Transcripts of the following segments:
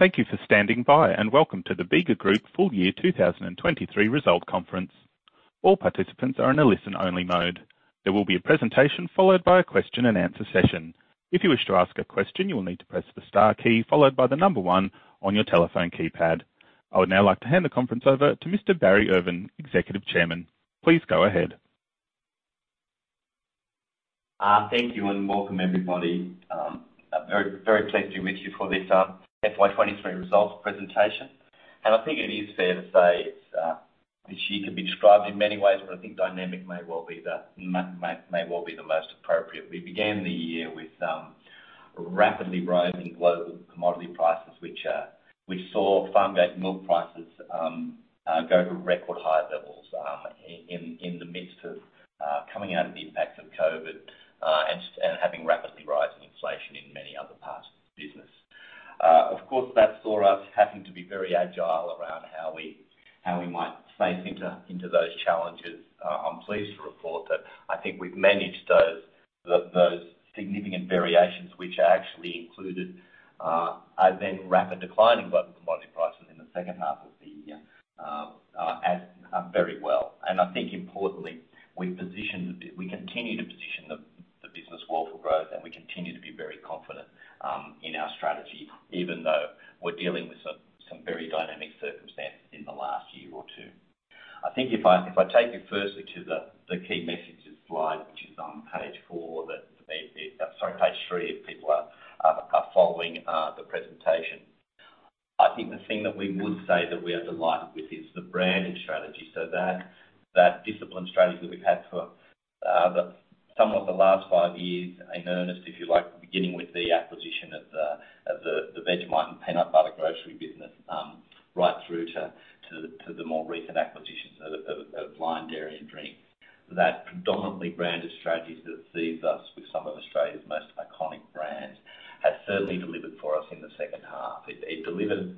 Thank you for standing by, and welcome to the Bega Group Full Year 2023 results conference. All participants are in a listen-only mode. There will be a presentation, followed by a question-and-answer session. If you wish to ask a question, you will need to press the star key, followed by the number one on your telephone keypad. I would now like to hand the conference over to Mr. Barry Irvin, Executive Chairman. Please go ahead. Thank you, and welcome, everybody. I'm very, very pleased to be with you for this FY 2023 results presentation. I think it is fair to say, it's this year could be described in many ways, but I think dynamic may well be the most appropriate. We began the year with rapidly rising global commodity prices, which we saw farm-gate milk prices go to record high levels in the midst of coming out of the impact of COVID and having rapidly rising inflation in many other parts of the business. Of course, that saw us having to be very agile around how we might face into those challenges. I'm pleased to report that I think we've managed those significant variations, which are actually included, are then rapid decline in global commodity prices in the second half of the year, as very well. I think importantly, we continue to position the business well for growth, and we continue to be very confident in our strategy, even though we're dealing with some very dynamic circumstances in the last year or two. I think if I take you firstly to the key messages slide, which is on page four. Sorry, page three, if people are following the presentation. I think the thing that we would say that we are delighted with is the branded strategy. So that disciplined strategy that we've had for some of the last five years in earnest, if you like, beginning with the acquisition of the Vegemite and Peanut Butter Grocery business, right through to the more recent acquisitions of Lion Dairy and Drinks. That predominantly branded strategy that leaves us with some of Australia's most iconic brands has certainly delivered for us in the second half. It delivered,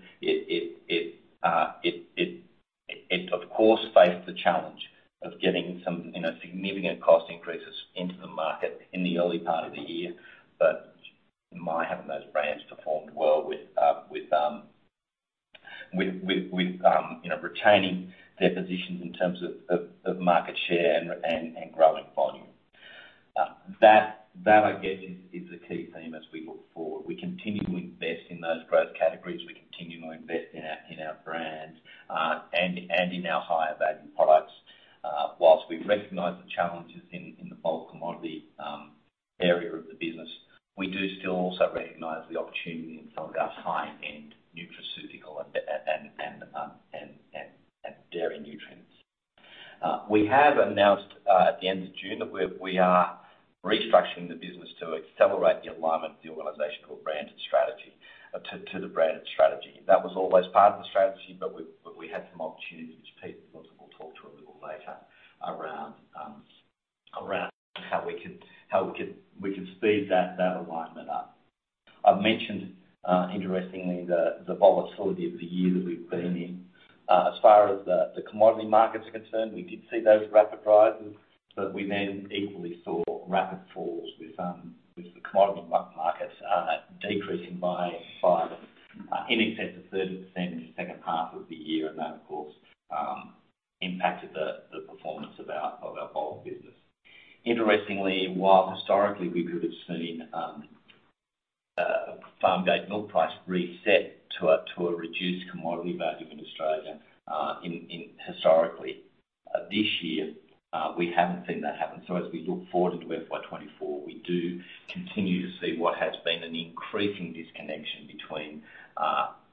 of course, faced the challenge of getting some, you know, significant cost increases into the market in the early part of the year. But having those brands performed well with you know, retaining their positions in terms of market share and growing volume. That, I guess, is the key theme as we look forward. We continue to invest in those growth categories. We continue to invest in our brands and in our higher-value products. While we recognize the challenges in the bulk commodity area of the business, we do still also recognize the opportunity in some of our high-end nutraceutical and dairy nutrients. We have announced at the end of June that we are restructuring the business to accelerate the alignment of the organizational branded strategy to the branded strategy. That was always part of the strategy, but we had some opportunities, which Pete also will talk to a little later, around how we could speed that alignment up. I've mentioned, interestingly, the volatility of the year that we've been in. As far as the commodity markets are concerned, we did see those rapid rises, but we then equally saw rapid falls with the commodity milk market decreasing by in excess of 30% in the second half of the year, and that, of course, impacted the performance of our bulk business. Interestingly, while historically, we could have seen a farm-gate milk price reset to a reduced commodity value in Australia, historically, this year, we haven't seen that happen. So as we look forward to FY 2024, we do continue to see what has been an increasing disconnection between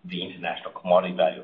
the international commodity value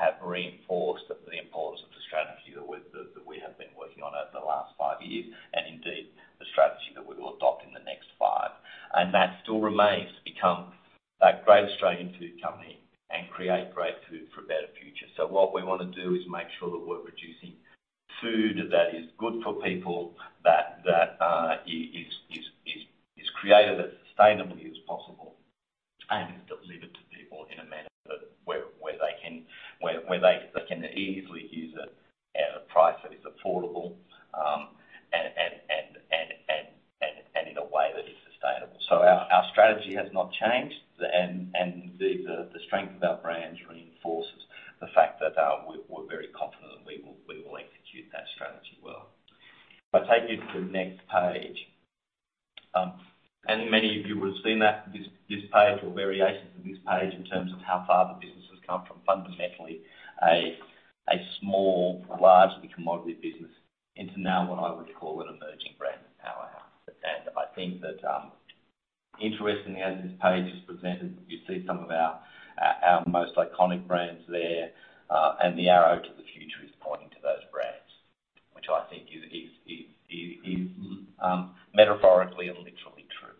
this year have reinforced the importance of the strategy that we have been working on over the last five years, and indeed, the strategy that we will adopt in the next five years. That still remains to become that great Australian food company and create great food for a better future. So what we wanna do is make sure that we're producing food that is good for people, that is created as sustainably as possible, and is delivered to people in a manner that they can easily use it at a price that is affordable, and in a way that is sustainable. So our strategy has not changed, and the strength of our brands reinforces the fact that, we're very confident that we will execute that strategy well. If I take you to the next page, and many of you would have seen that, this page or variations of this page in terms of how far the business has come from fundamentally, a small, largely commodity business, into now what I would call an emerging brand powerhouse. I think that, interestingly, as this page is presented, you see some of our most iconic brands there, and the arrow to the future is pointing to those brands, which I think is metaphorically and literally true.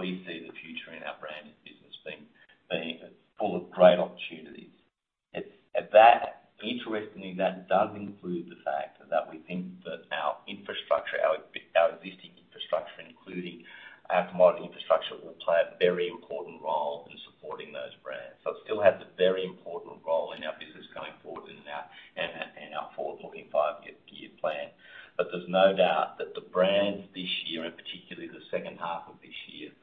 We see the future in our branded business being full of great opportunities. That, interestingly, does include the fact that we think that our infrastructure, our existing infrastructure, including our commodity infrastructure, will play a very important role in supporting those brands. So it still has a very important role in our business going forward in our forward-looking five-year plan. But there's no doubt that the brands this year, and particularly the second half of this year,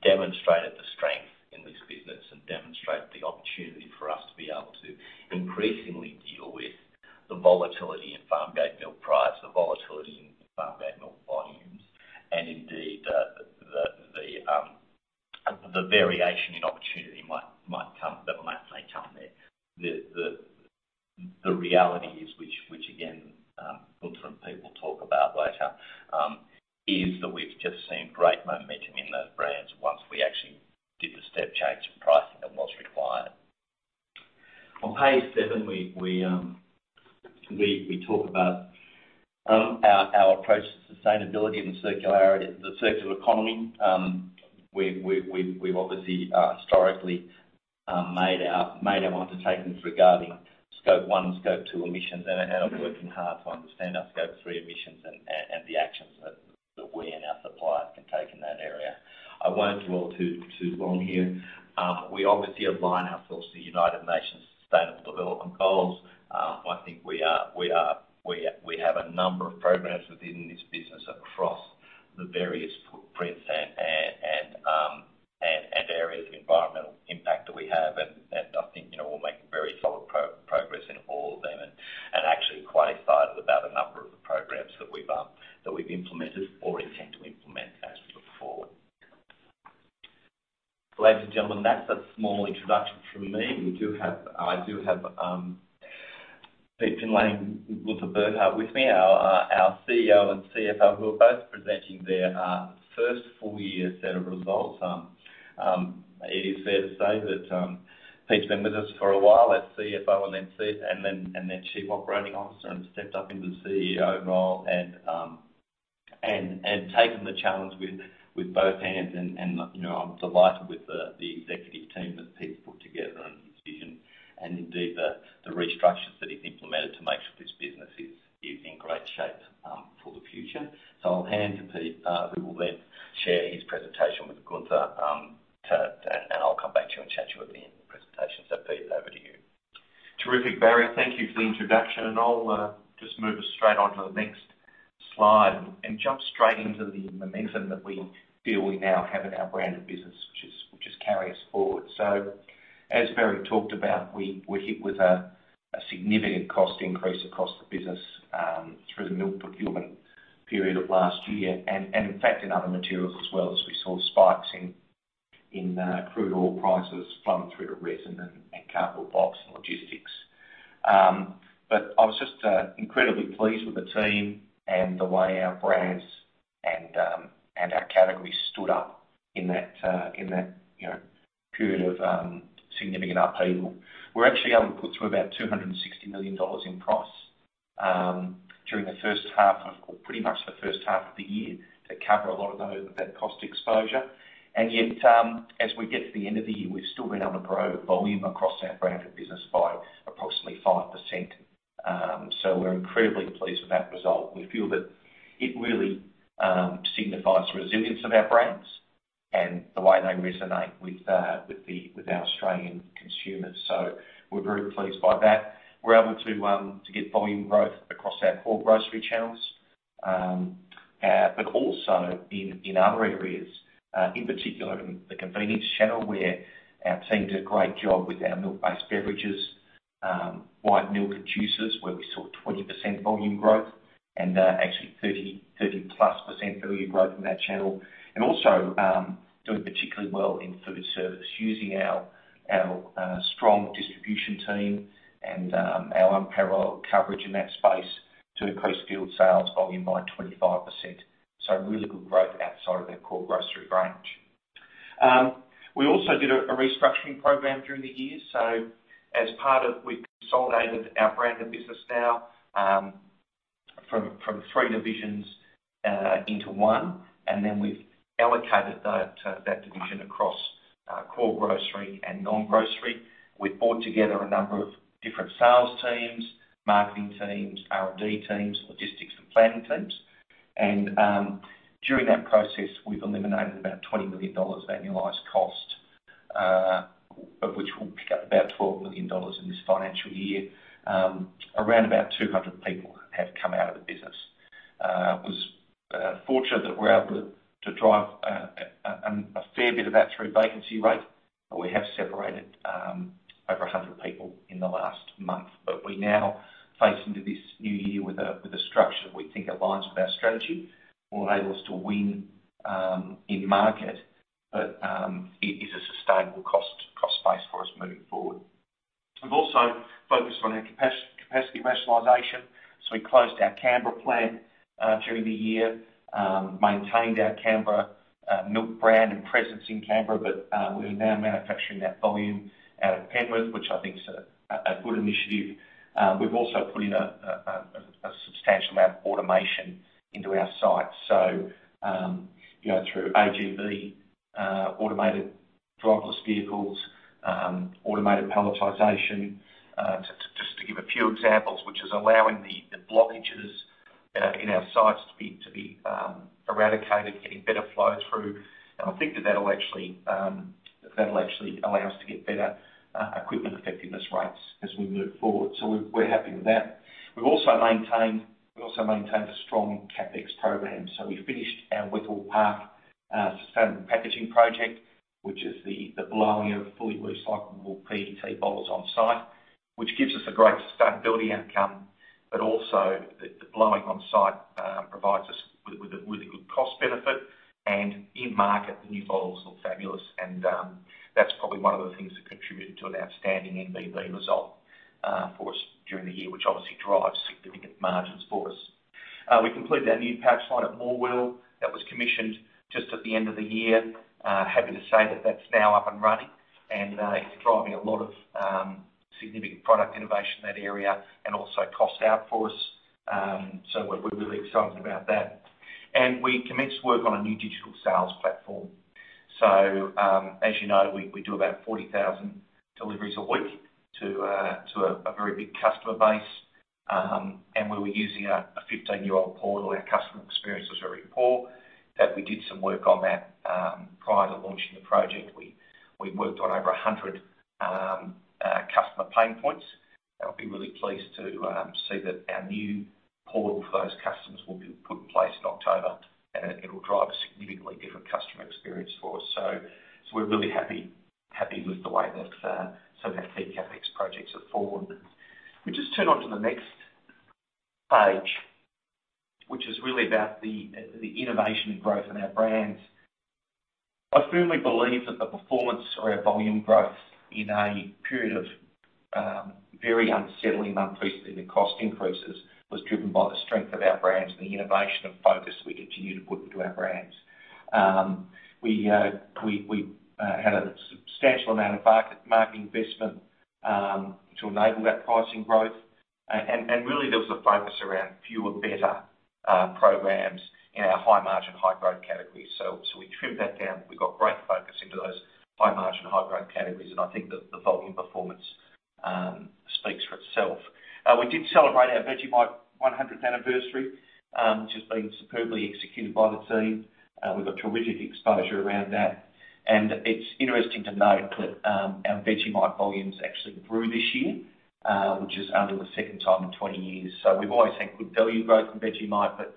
demonstrated the strength in this business and demonstrate the opportunity for us to be able to increasingly deal with the volatility in farmgate milk price, the volatility in farmgate milk volumes, and indeed, the variation in opportunity that might come there. The reality is which again Gunther and Pete will talk about later is that we've just seen great momentum in those brands once we actually did the step change in pricing that was required. On page seven, we talk about our approach to sustainability and the circularity, the circular economy. We've obviously historically made our undertakings regarding Scope 1 and Scope 2 emissions, and are working hard to understand our Scope 3 emissions and the actions that we and our suppliers can take in that area. I won't dwell too long here. We obviously align ourselves to the United Nations Sustainable Development Goals. I think we have a number of programs within this business across the various footprints and areas of environmental impact that we have, and I think, you know, we're making very solid progress in all of them, and actually quite excited about a number of the programs that we've implemented or intend to implement as we look forward. Ladies and gentlemen, that's a small introduction from me. We do have I do have Pete Findlay and Gunther Burghardt with me, our our CEO and CFO, who are both presenting their first full year set of results. It is fair to say that Pete's been with us for a while as CFO and then C- and then, and then Chief Operating Officer, and stepped up into the CEO role, and, and taken the challenge with, with both hands, and, you know, I'm delighted with the the executive team that Pete's put together and his vision, and indeed, the the restructures that he's implemented to make sure this business is, is in great shape for the future. So I'll hand to Pete, who will then share his presentation with Gunther, to. And, and I'll come back to you and chat you at the end of the presentation. So, Pete, over to you. Terrific, Barry. Thank you for the introduction, and I'll just move us straight on to the next slide and jump straight into the momentum that we feel we now have in our branded business just carry us forward. So as Barry talked about, we were hit with a significant cost increase across the business through the milk procurement period of last year, and in fact, in other materials as well, as we saw spikes in crude oil prices flowing through to resin and cardboard box and logistics. But I was just incredibly pleased with the team and the way our brands and our categories stood up in that, you know, period of significant upheaval. We're actually able to put through about 260 million dollars in price during the first half of. Pretty much the first half of the year, to cover a lot of those- that cost exposure. And yet, as we get to the end of the year, we've still been able to grow volume across our branded business by approximately 5%. So we're incredibly pleased with that result. We feel that it really signifies the resilience of our brands and the way they resonate with, with our Australian consumers, so we're very pleased by that. We're able to, to get volume growth across our core grocery channels, but also in, in other areas, in particular in the convenience channel, where our team did a great job with our milk-based beverages, white milk and juices, where we saw 20% volume growth, and, actually 30, 30+% volume growth in that channel. Also, doing particularly well in food service, using our strong distribution team and our unparalleled coverage in that space to increase field sales volume by 25%. Really good growth outside of our core grocery range. We also did a restructuring program during the year. As part of that, we consolidated our brand of business now from three divisions into one, and then we've allocated that division across core grocery and non-grocery. We've brought together a number of different sales teams, marketing teams, R&D teams, logistics and planning teams. During that process, we've eliminated about 20 million dollars annualized cost, of which we'll pick up about 12 million dollars in this financial year. Around about 200 people have come out of the business. It was fortunate that we're able to drive a fair bit of that through vacancy rate, but we have separated over 100 people in the last month. But we now face into this new year with a structure we think aligns with our strategy, will enable us to win in market, but it is a sustainable cost base for us moving forward. We've also focused on our capacity rationalization. So we closed our Canberra plant during the year, maintained our Canberra Milk brand and presence in Canberra, but we are now manufacturing that volume out of Penrith, which I think is a good initiative. We've also put in a substantial amount of automation into our site. So, you know, through AGV, automated driverless vehicles, automated palletization, just to give a few examples, which is allowing the blockages in our sites to be eradicated, getting better flow through. And I think that that'll actually allow us to get better equipment effectiveness rates as we move forward. So we're happy with that. We've also maintained a strong CapEx program. We finished our Wetherill Park sustainable packaging project, which is the blowing of fully recyclable PET bottles on site, which gives us a great sustainability outcome, but also, the blowing on site provides us with a good cost benefit, and in market, the new bottles look fabulous, and that's probably one of the things that contributed to an outstanding MBB result for us during the year, which obviously drives significant margins for us. We completed our new pouch line at Morwell that was commissioned just at the end of the year. Happy to say that that's now up and running and it's driving a lot of significant product innovation in that area and also cost out for us. So we're really excited about that. We commenced work on a new digital sales platform. So, as you know, we do about 40,000 deliveries a week to a very big customer base. And we were using a 15-year-old portal. Our customer experience was very poor, but we did some work on that prior to launching the project. We worked on over 100 customer pain points, and I'll be really pleased to see that our new portal for those customers will be put in place in October, and it will drive a significantly different customer experience for us. So we're really happy with the way that some of our key CapEx projects have gone forward. We just turn to the next page, which is really about the innovation and growth in our brands. I firmly believe that the performance or our volume growth in a period of very unsettling, unprecedented cost increases, was driven by the strength of our brands and the innovation and focus we continue to put into our brands. We had a substantial amount of marketing investment to enable that pricing growth. And really, there was a focus around fewer better programs in our high-margin, high-growth categories. So we trimmed that down. We got great focus into those high-margin, high-growth categories, and I think that the volume performance speaks for itself. We did celebrate our Vegemite 100th anniversary, which has been superbly executed by the team. We've got terrific exposure around that, and it's interesting to note that our Vegemite volumes actually grew this year. which is only the second time in 20 years. So we've always had good value growth in Vegemite, but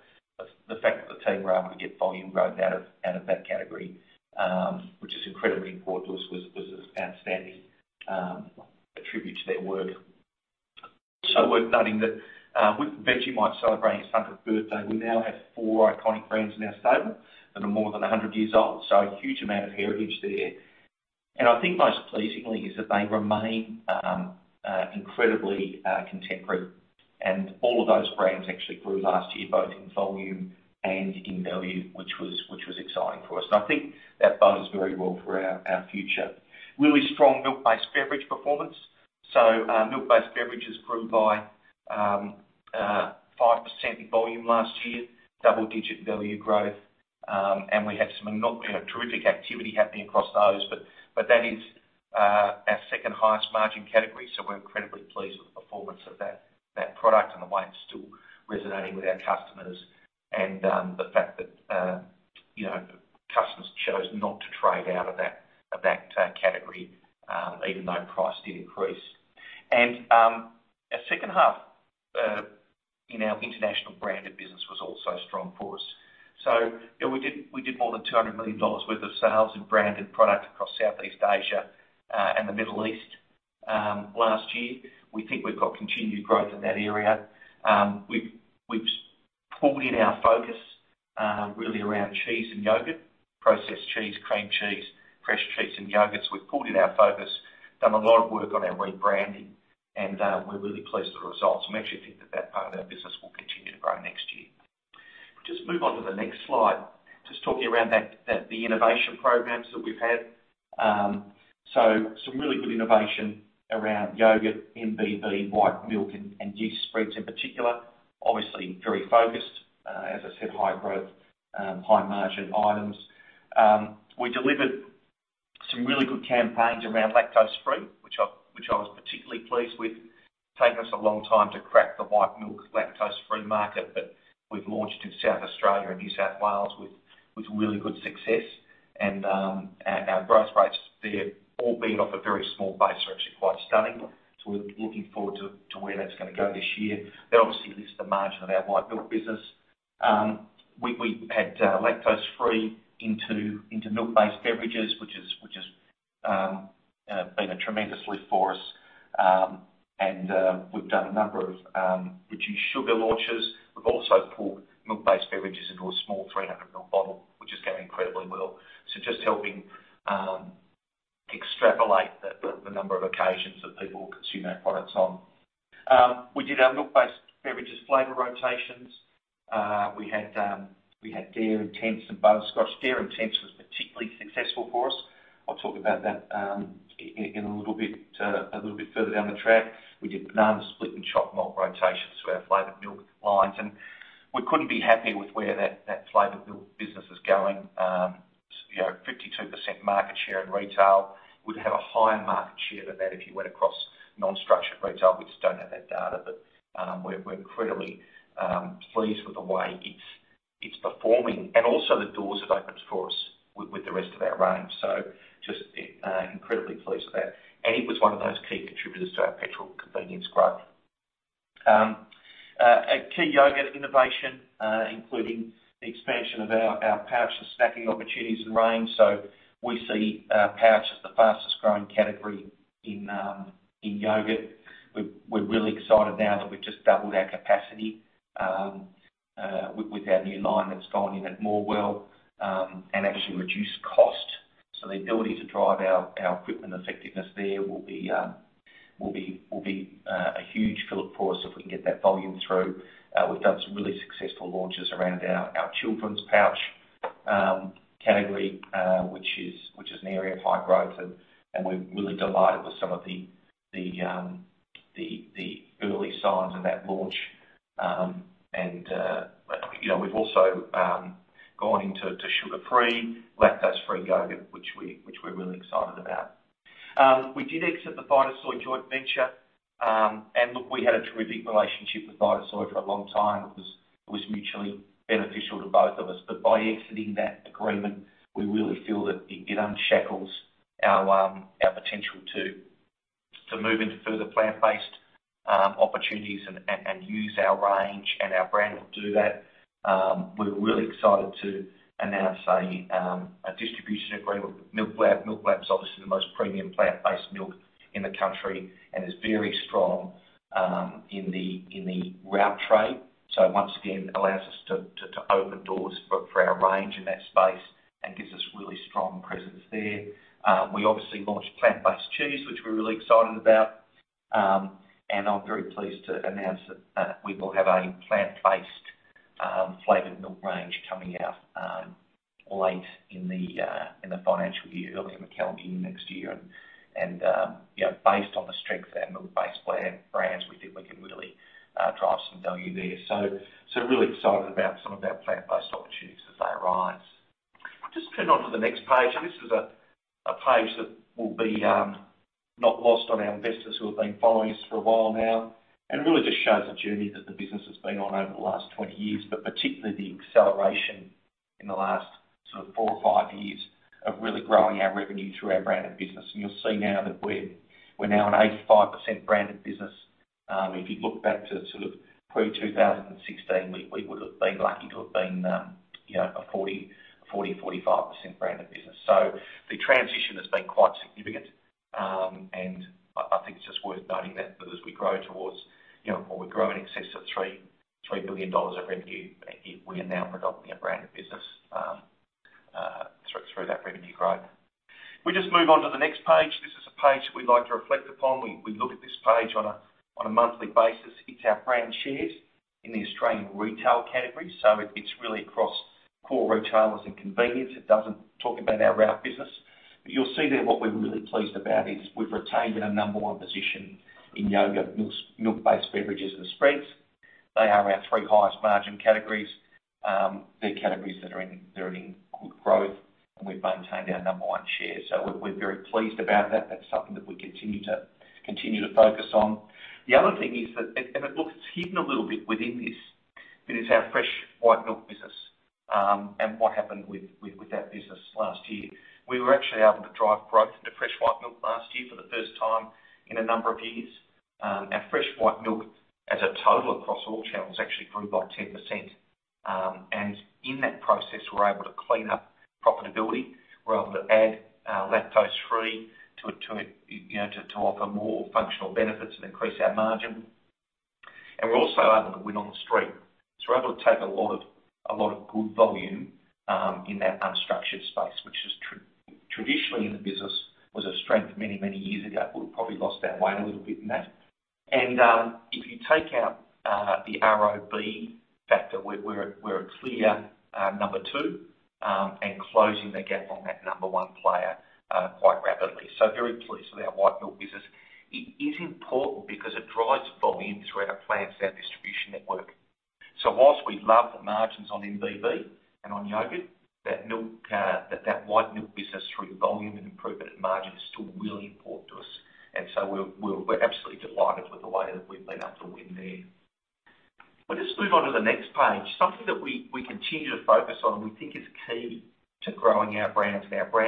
the fact that the team were able to get volume growth out of that category, which is incredibly important to us, was outstanding, a tribute to their work. Also worth noting that with Vegemite celebrating its 100th birthday, we now have four iconic brands in our stable that are more than 100 years old, so a huge amount of heritage there. And I think most pleasingly is that they remain incredibly contemporary. And all of those brands actually grew last year, both in volume and in value, which was exciting for us. And I think that bodes very well for our future. Really strong milk-based beverage performance. So, milk-based beverages grew by 5% in volume last year, double-digit value growth, and we had some you know, terrific activity happening across those. But that is our second highest margin category, so we're incredibly pleased with the performance of that product and the way it's still resonating with our customers. And the fact that you know, customers chose not to trade out of that category, even though price did increase. And our second half in our international branded business was also strong for us. So, you know, we did more than 200 million dollars worth of sales in branded product across Southeast Asia and the Middle East last year. We think we've got continued growth in that area. We've pulled in our focus really around cheese and yogurt, processed cheese, cream cheese, fresh cheese and yogurts. We've pulled in our focus, done a lot of work on our rebranding, and we're really pleased with the results, and we actually think that that part of our business will continue to grow next year. Just move on to the next slide. Just talking around that, the innovation programs that we've had. So some really good innovation around yogurt, MBB, white milk, and yeast spreads in particular. Obviously, very focused as I said, high growth, high-margin items. We delivered some really good campaigns around lactose-free, which I was particularly pleased with. Taken us a long time to crack the white milk lactose-free market, but we've launched in South Australia and New South Wales with really good success. Our growth rates there, all being off a very small base, are actually quite stunning. So we're looking forward to where that's gonna go this year. That obviously lifts the margin of our white milk business. We added lactose-free into milk-based beverages, which has been a tremendous lift for us. And we've done a number of reduced sugar launches. We've also pulled milk-based beverages into a small 300 ml bottle, which is going incredibly well. So just helping extrapolate the number of occasions that people will consume our products on. We did our milk-based beverages flavor rotations. We had Dare Intense and Butterscotch. Dare Intense was particularly successful for us. I'll talk about that in a little bit further down the track. We did banana split and chocolate malt rotations to our flavored milk lines, and we couldn't be happier with where that flavored milk business is going. You know, 52% market share in retail. Would have a higher market share than that if you went across non-structured retail. We just don't have that data, but we're incredibly pleased with the way it's performing and also the doors have opened for us with the rest of our range. So just incredibly pleased with that. And it was one of those key contributors to our petrol convenience growth. A key yogurt innovation, including the expansion of our pouch and snacking opportunities and range. So we see pouch as the fastest growing category in yogurt. We're really excited now that we've just doubled our capacity with our new line that's gone in at Morwell and actually reduced cost. So the ability to drive our equipment effectiveness there will be a huge fill-up for us if we can get that volume through. We've done some really successful launches around our children's pouch category, which is an area of high growth, and we're really delighted with some of the early signs of that launch. And you know, we've also gone into sugar-free, lactose-free yogurt, which we're really excited about. We did exit the Vitasoy joint venture, and look, we had a terrific relationship with Vitasoy for a long time. It was mutually beneficial to both of us. But by exiting that agreement, we really feel that it unshackles our potential to move into further plant-based opportunities and use our range and our brand to do that. We're really excited to announce a distribution agreement with MilkLab. MilkLab's obviously the most premium plant-based milk in the country and is very strong in the route trade. So once again, allows us to open doors for our range in that space and gives us really strong presence there. We obviously launched plant-based cheese, which we're really excited about. And I'm very pleased to announce that we will have a plant-based flavored milk range coming out late in the financial year, early in the calendar year next year. You know, based on the strength of our milk-based brand, brands, we think we can really drive some value there. So really excited about some of our plant-based opportunities as they arise. Just turn on to the next page, and this is a page that will be not lost on our investors who have been following us for a while now. And it really just shows the journey that the business has been on over the last 20 years, but particularly the acceleration in the last sort of four or five years of really growing our revenue through our branded business. You'll see now that we're now an 85% branded business. If you look back to sort of pre-2016, we would have been lucky to have been, you know, a 40-45% branded business. So the transition has been quite significant, and I think it's just worth noting that as we grow towards, you know, or we grow in excess of 3 billion dollars of revenue, we are now predominantly a branded business, through that revenue growth. We just move on to the next page. This is a page we'd like to reflect upon. We look at this page on a monthly basis. It's our brand shares in the Australian retail category, so it's really across core retailers and convenience. It doesn't talk about our route business. But you'll see that what we're really pleased about is we've retained our number one position in yogurt, milks, milk-based beverages, and spreads. They are our three highest margin categories. They're categories that are in good growth, and we've maintained our number one share. So we're very pleased about that. That's something that we continue to focus on. The other thing is that it looks like it's hidden a little bit within this, but it's our fresh white milk business, and what happened with that business last year. We were actually able to drive growth into fresh white milk last year for the first time in a number of years. Our fresh white milk, as a total across all channels, actually grew by 10%. In that process, we're able to clean up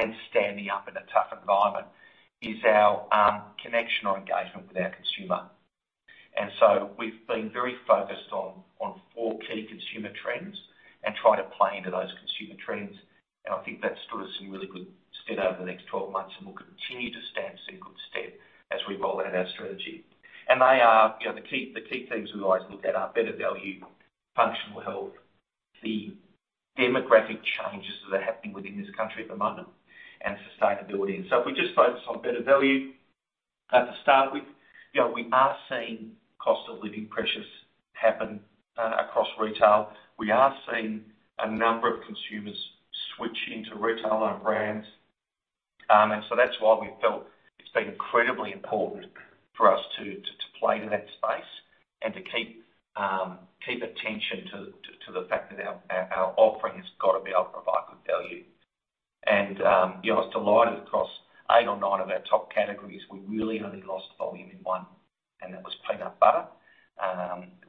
and on yogurt, that milk, that white milk business through volume and improvement in margin is still really important to us, and so we're absolutely delighted with the way that we've been able to win there. We'll just move on to the next page. Something that we continue to focus on, we think is key to growing our brands and our brands standing up in a tough environment, is our connection or engagement with our consumer. And so we've been very focused on four key consumer trends and try to play into those consumer trends. And I think that stood us in really good stead over the next 12 months and will continue to stand us in good stead as we roll out our strategy. They are, you know, the key things we always look at are better value, functional health, the demographic changes that are happening within this country at the moment, and sustainability. So if we just focus on better value at the start with, you know, we are seeing cost of living pressures happen across retail. We are seeing a number of consumers switch into retailer brands. And so that's why we felt it's been incredibly important for us to play to that space and to keep attention to the fact that our offering has got to be able to provide good value. And, you know, I was delighted across eight or nine of our top categories, we really only lost volume in one, and that was peanut butter,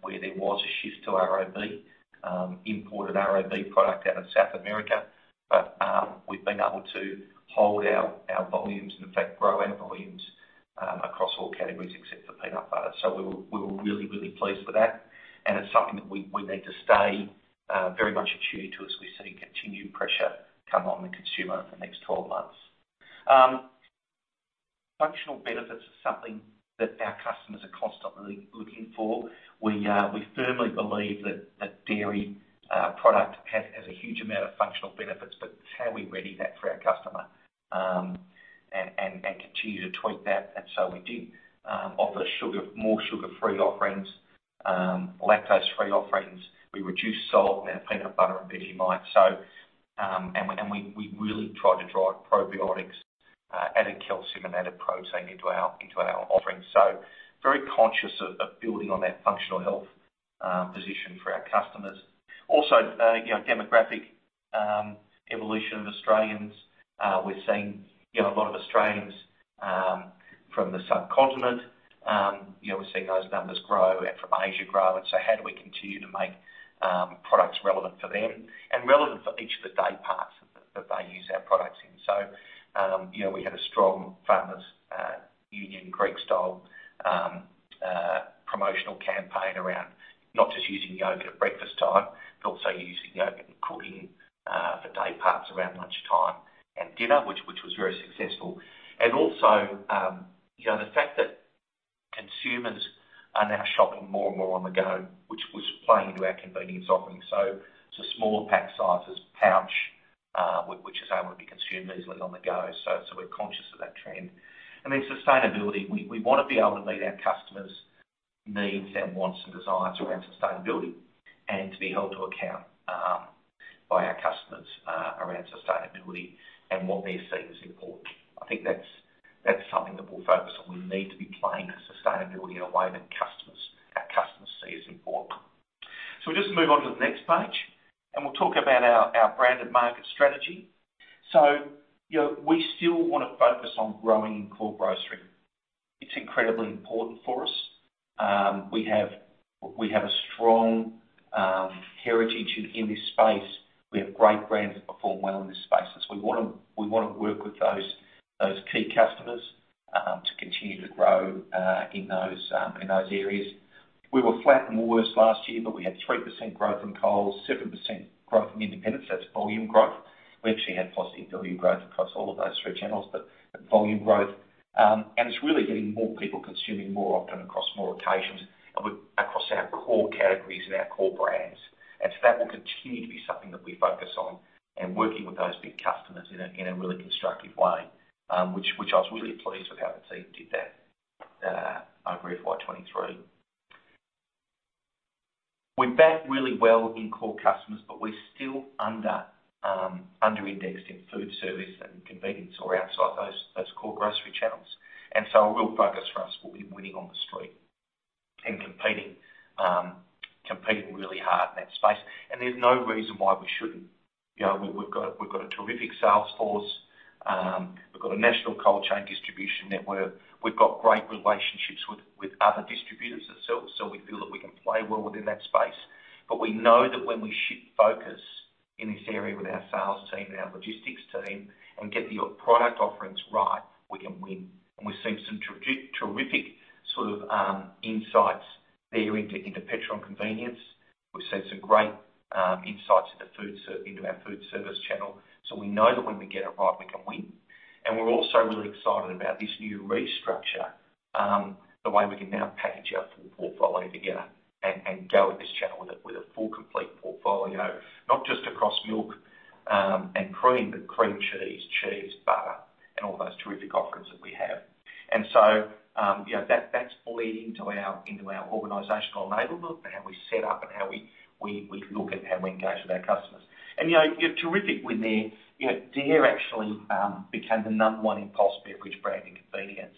where there was a shift to ROB, imported ROB product out of South America. But, we've been able to hold our, our volumes, and in fact, grow our volumes, across all categories except for peanut butter. So we were, we were really, really pleased with that, and it's something that we, we need to stay, very much attuned to, as we see continued pressure come on the consumer in the next 12 months. Functional benefits is something that our customers are constantly looking for. We firmly believe that dairy product has a huge amount of functional benefits, but it's how we ready that for our customer, and continue to tweak that. And so we did offer sugar, more sugar-free offerings, lactose-free offerings. We reduced salt in our peanut butter and Vegemite. So, and we really tried to drive probiotics, added calcium and added protein into our offerings. So very conscious of building on that functional health position for our customers. Also, you know, demographic evolution of Australians. We're seeing, you know, a lot of Australians from the subcontinent. You know, we're seeing those numbers grow and from Asia grow. And so how do we continue to make products relevant for them and relevant for each of the day parts that they use our products in? So, you know, we had a strong Farmers Union Greek-style promotional campaign around not just using yogurt at breakfast time, but also using yogurt in cooking for day parts around lunchtime and dinner, which was very successful. And also, you know, the fact that consumers are now shopping more and more on the go, which was playing into our convenience offering. So to smaller pack sizes, pouch which is able to be consumed easily on the go. So, we're conscious of that trend. And then sustainability. We want to be able to meet our customers' needs and wants and desires around sustainability, and to be held to account by our customers around sustainability and what they see as important. I think that's something that we'll focus on. We need to be playing to sustainability in a way that customers, our customers see as important. So we'll just move on to the next page, and we'll talk about our branded market strategy. So, you know, we still want to focus on growing in core grocery. It's incredibly important for us. We have a strong heritage in this space. We have great brands that perform well in this space. So we wanna work with those key customers to continue to grow in those areas. We were flat in Woolworths last year, but we had 3% growth in Coles, 7% growth in independents. That's volume growth. We actually had positive value growth across all of those three channels, but volume growth. And it's really getting more people consuming more often across more occasions, and with across our core categories and our core brands. And so that will continue to be something that we focus on and working with those big customers in a really constructive way, which I was really pleased with how the team did that over FY 2023. We're backed really well in core customers, but we're still under-indexed in food service and convenience or outside those core grocery channels. And so a real focus for us will be winning on the street and competing really hard in that space. And there's no reason why we shouldn't. You know, we've got, we've got a terrific sales force. We've got a national cold chain distribution network. We've got great relationships with, with other distributors ourselves, so we feel that we can play well within that space. But we know that when we shift focus in this area with our sales team and our logistics team and get the product offerings right, we can win. And we've seen some terrific sort of insights there into, into petrol and convenience. We've seen some great insights into our food service channel. So we know that when we get it right, we can win. And we're also really excited about this new restructure, the way we can now package our full portfolio together and go with this channel with a full, complete portfolio, not just across milk and cream, but cream cheese, cheese, butter, and all those terrific offerings that we have. And so, yeah, that's leading to our organizational enablement and how we set up and how we look at how we engage with our customers. And, you know, you're terrific when they're. You know, Dare actually became the number one impulse beverage brand in convenience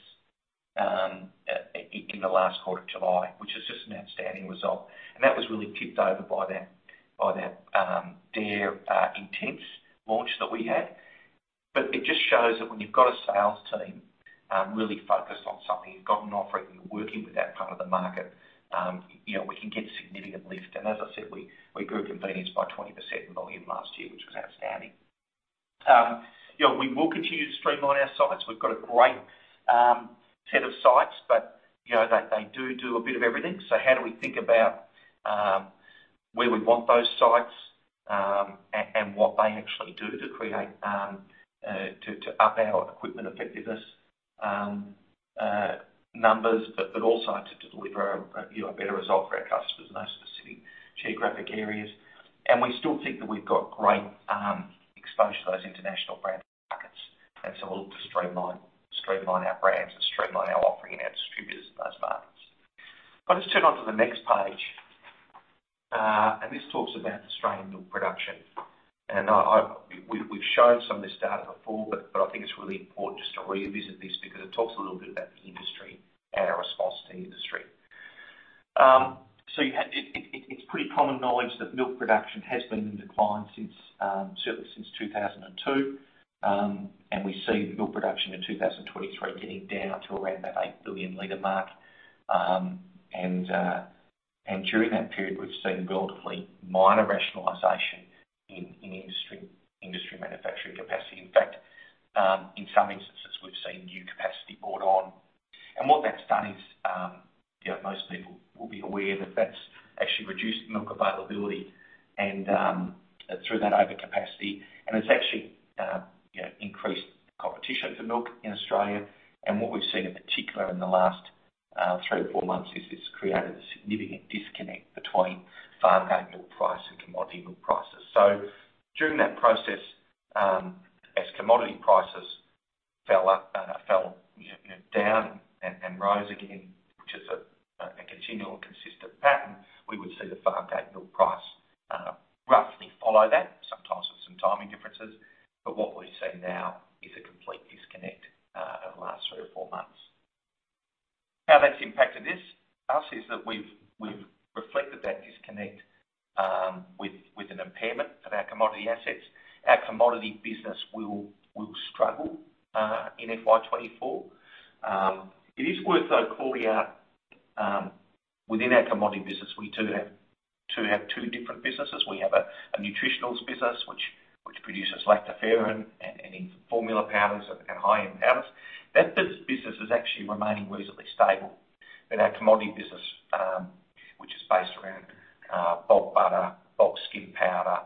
in the last quarter of July, which is just an outstanding result. And that was really tipped over by that Dare Intense launch that we had. It just shows that when you've got a sales team really focused on something, you've got an offering, you're working with that part of the market, you know, we can get significant lift. As I said, we grew convenience by 20% in volume last year, which was outstanding. You know, we will continue to streamline our sites. We've got a great set of sites, but, you know, they do a bit of everything. So how do we think about where we want those sites and what they actually do to up our equipment effectiveness numbers, but also to deliver a, you know, a better result for our customers in those specific geographic areas. We still think that we've got great exposure to those international brand markets, and so we'll look to streamline, streamline our brands and streamline our offering and our distributors in those markets. I'll just turn on to the next page, and this talks about Australian milk production. And we've shown some of this data before, but I think it's really important just to revisit this because it talks a little bit about the industry and our response to the industry. It's pretty common knowledge that milk production has been in decline since certainly since 2002. And we see milk production in 2023 getting down to around that 8 billion liter mark. And during that period, we've seen relatively minor rationalization in industry manufacturing capacity. In fact, in some instances, we've seen new capacity brought on. What that's done is, you know, most people will be aware that that's actually reduced milk availability and, through that overcapacity, and it's actually, you know, increased competition for milk in Australia. What we've seen, in particular, in the last three or four months, is this created a significant disconnect between farm gate milk price and commodity milk prices. During that process, as commodity prices fell, you know, down and rose again, which is a continual and consistent pattern, we would see the farm gate milk price roughly follow that, sometimes with some timing differences. But what we've seen now is a complete disconnect over the last three or four months. How that's impacted us is that we've reflected that disconnect with an impairment of our commodity assets. Our commodity business will struggle in FY 2024. It is worth, though, calling out within our commodity business, we do have two different businesses. We have a nutritionals business, which produces lactoferrin and formula powders and high-end powders. That business is actually remaining reasonably stable. But our commodity business, which is based around bulk butter, bulk skim milk powder,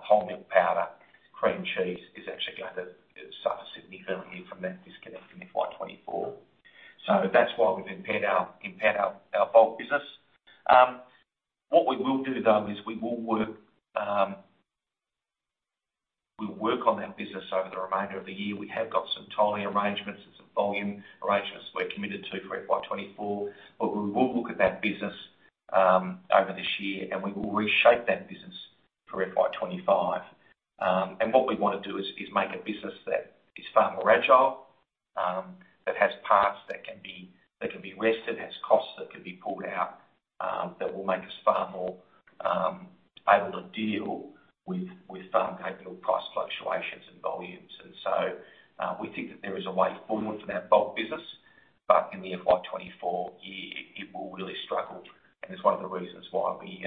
whole milk powder, cream cheese, is actually going to suffer significantly from that disconnect in FY 2024. So that's why we've impaired our bulk business. What we will do, though, is we'll work on that business over the remainder of the year. We have got some timing arrangements and some volume arrangements we're committed to for FY 2024, but we will look at that business over this year, and we will reshape that business for FY 2025. And what we wanna do is make a business that is far more agile, that has parts that can be rested, has costs that can be pulled out, that will make us far more able to deal with farm gate milk price fluctuations and volumes. And so, we think that there is a way forward for that bulk business, but in the FY 2024 year, it will really struggle, and it's one of the reasons why we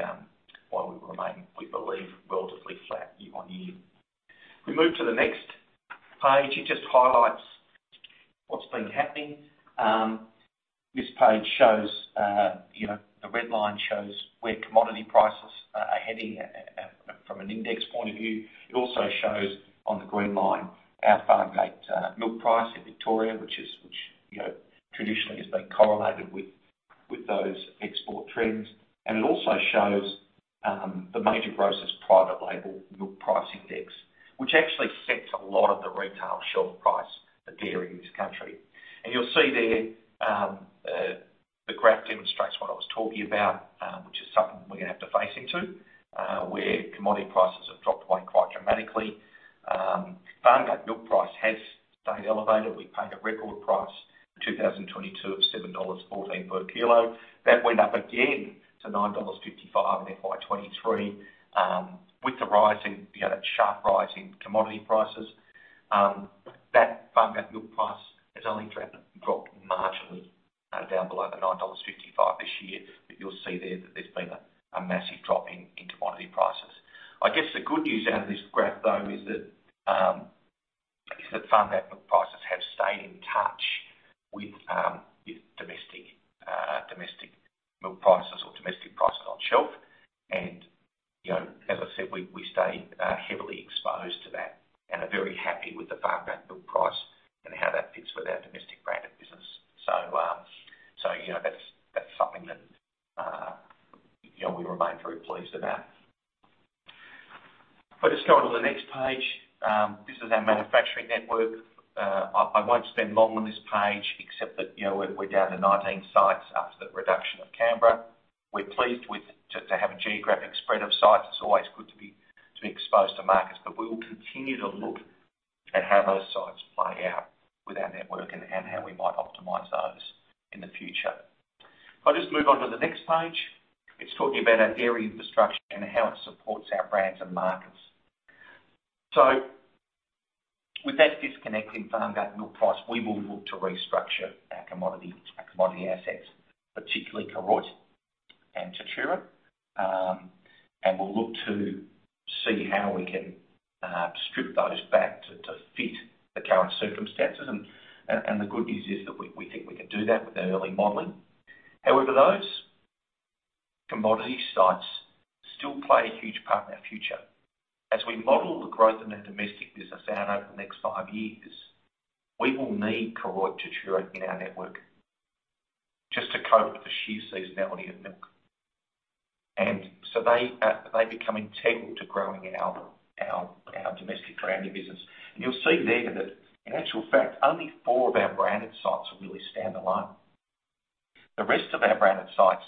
remain, we believe, relatively flat year-on-year. We move to the next page. It just highlights what's been happening. This page shows, you know, the red line shows where commodity prices are heading, from an index point of view. It also shows on the green line, our farm gate milk price in Victoria, which, you know, traditionally has been correlated with those export trends. And it also shows the major grocer's private label milk price index, which actually sets a lot of the retail shelf price for dairy in this country. And you'll see there, the graph demonstrates what I was talking about, which is something we're gonna have to face into, where commodity prices have dropped away quite dramatically. Farm gate milk price has stayed elevated. We paid a record price in 2022 of AUD 7.14 per kilo. That went up again to 9.55 dollars in FY 2023. With the rising, you know, sharp rise in commodity prices, that farm gate milk price has only dropped marginally down below 9.55 dollars this year. But you'll see there that there's been a massive drop in commodity prices. I guess the good news out of this graph, though, is that farm gate milk prices have stayed in touch with domestic milk prices or domestic prices on shelf. And, you know, as I said, we stay heavily exposed to that and are very happy with the farm gate milk price and how that fits with our domestic branded business. So, you know, that's something that, you know, we remain very pleased about. But just go on to the next page. This is our manufacturing network. I won't spend long on this page, except that, you know, we're down to 19 sites after the reduction of Canberra. We're pleased to have a geographic spread of sites. It's always good to be exposed to markets, but we will continue to look at how those sites play out with our network and how we might optimize those in the future. I'll just move on to the next page. It's talking about our dairy infrastructure and how it supports our brands and markets. So with that disconnect in farm gate milk price, we will look to restructure our commodity assets, particularly Koroit and Tatura. And we'll look to see how we can strip those back to fit the current circumstances. The good news is that we think we can do that with early modeling. However, those commodity sites still play a huge part in our future. As we model the growth in our domestic business out over the next five years, we will need Koroit, Tatura in our network just to cope with the sheer seasonality of milk. And so they become integral to growing our domestic branding business. And you'll see there that in actual fact, only four of our branded sites are really standalone. The rest of our branded sites,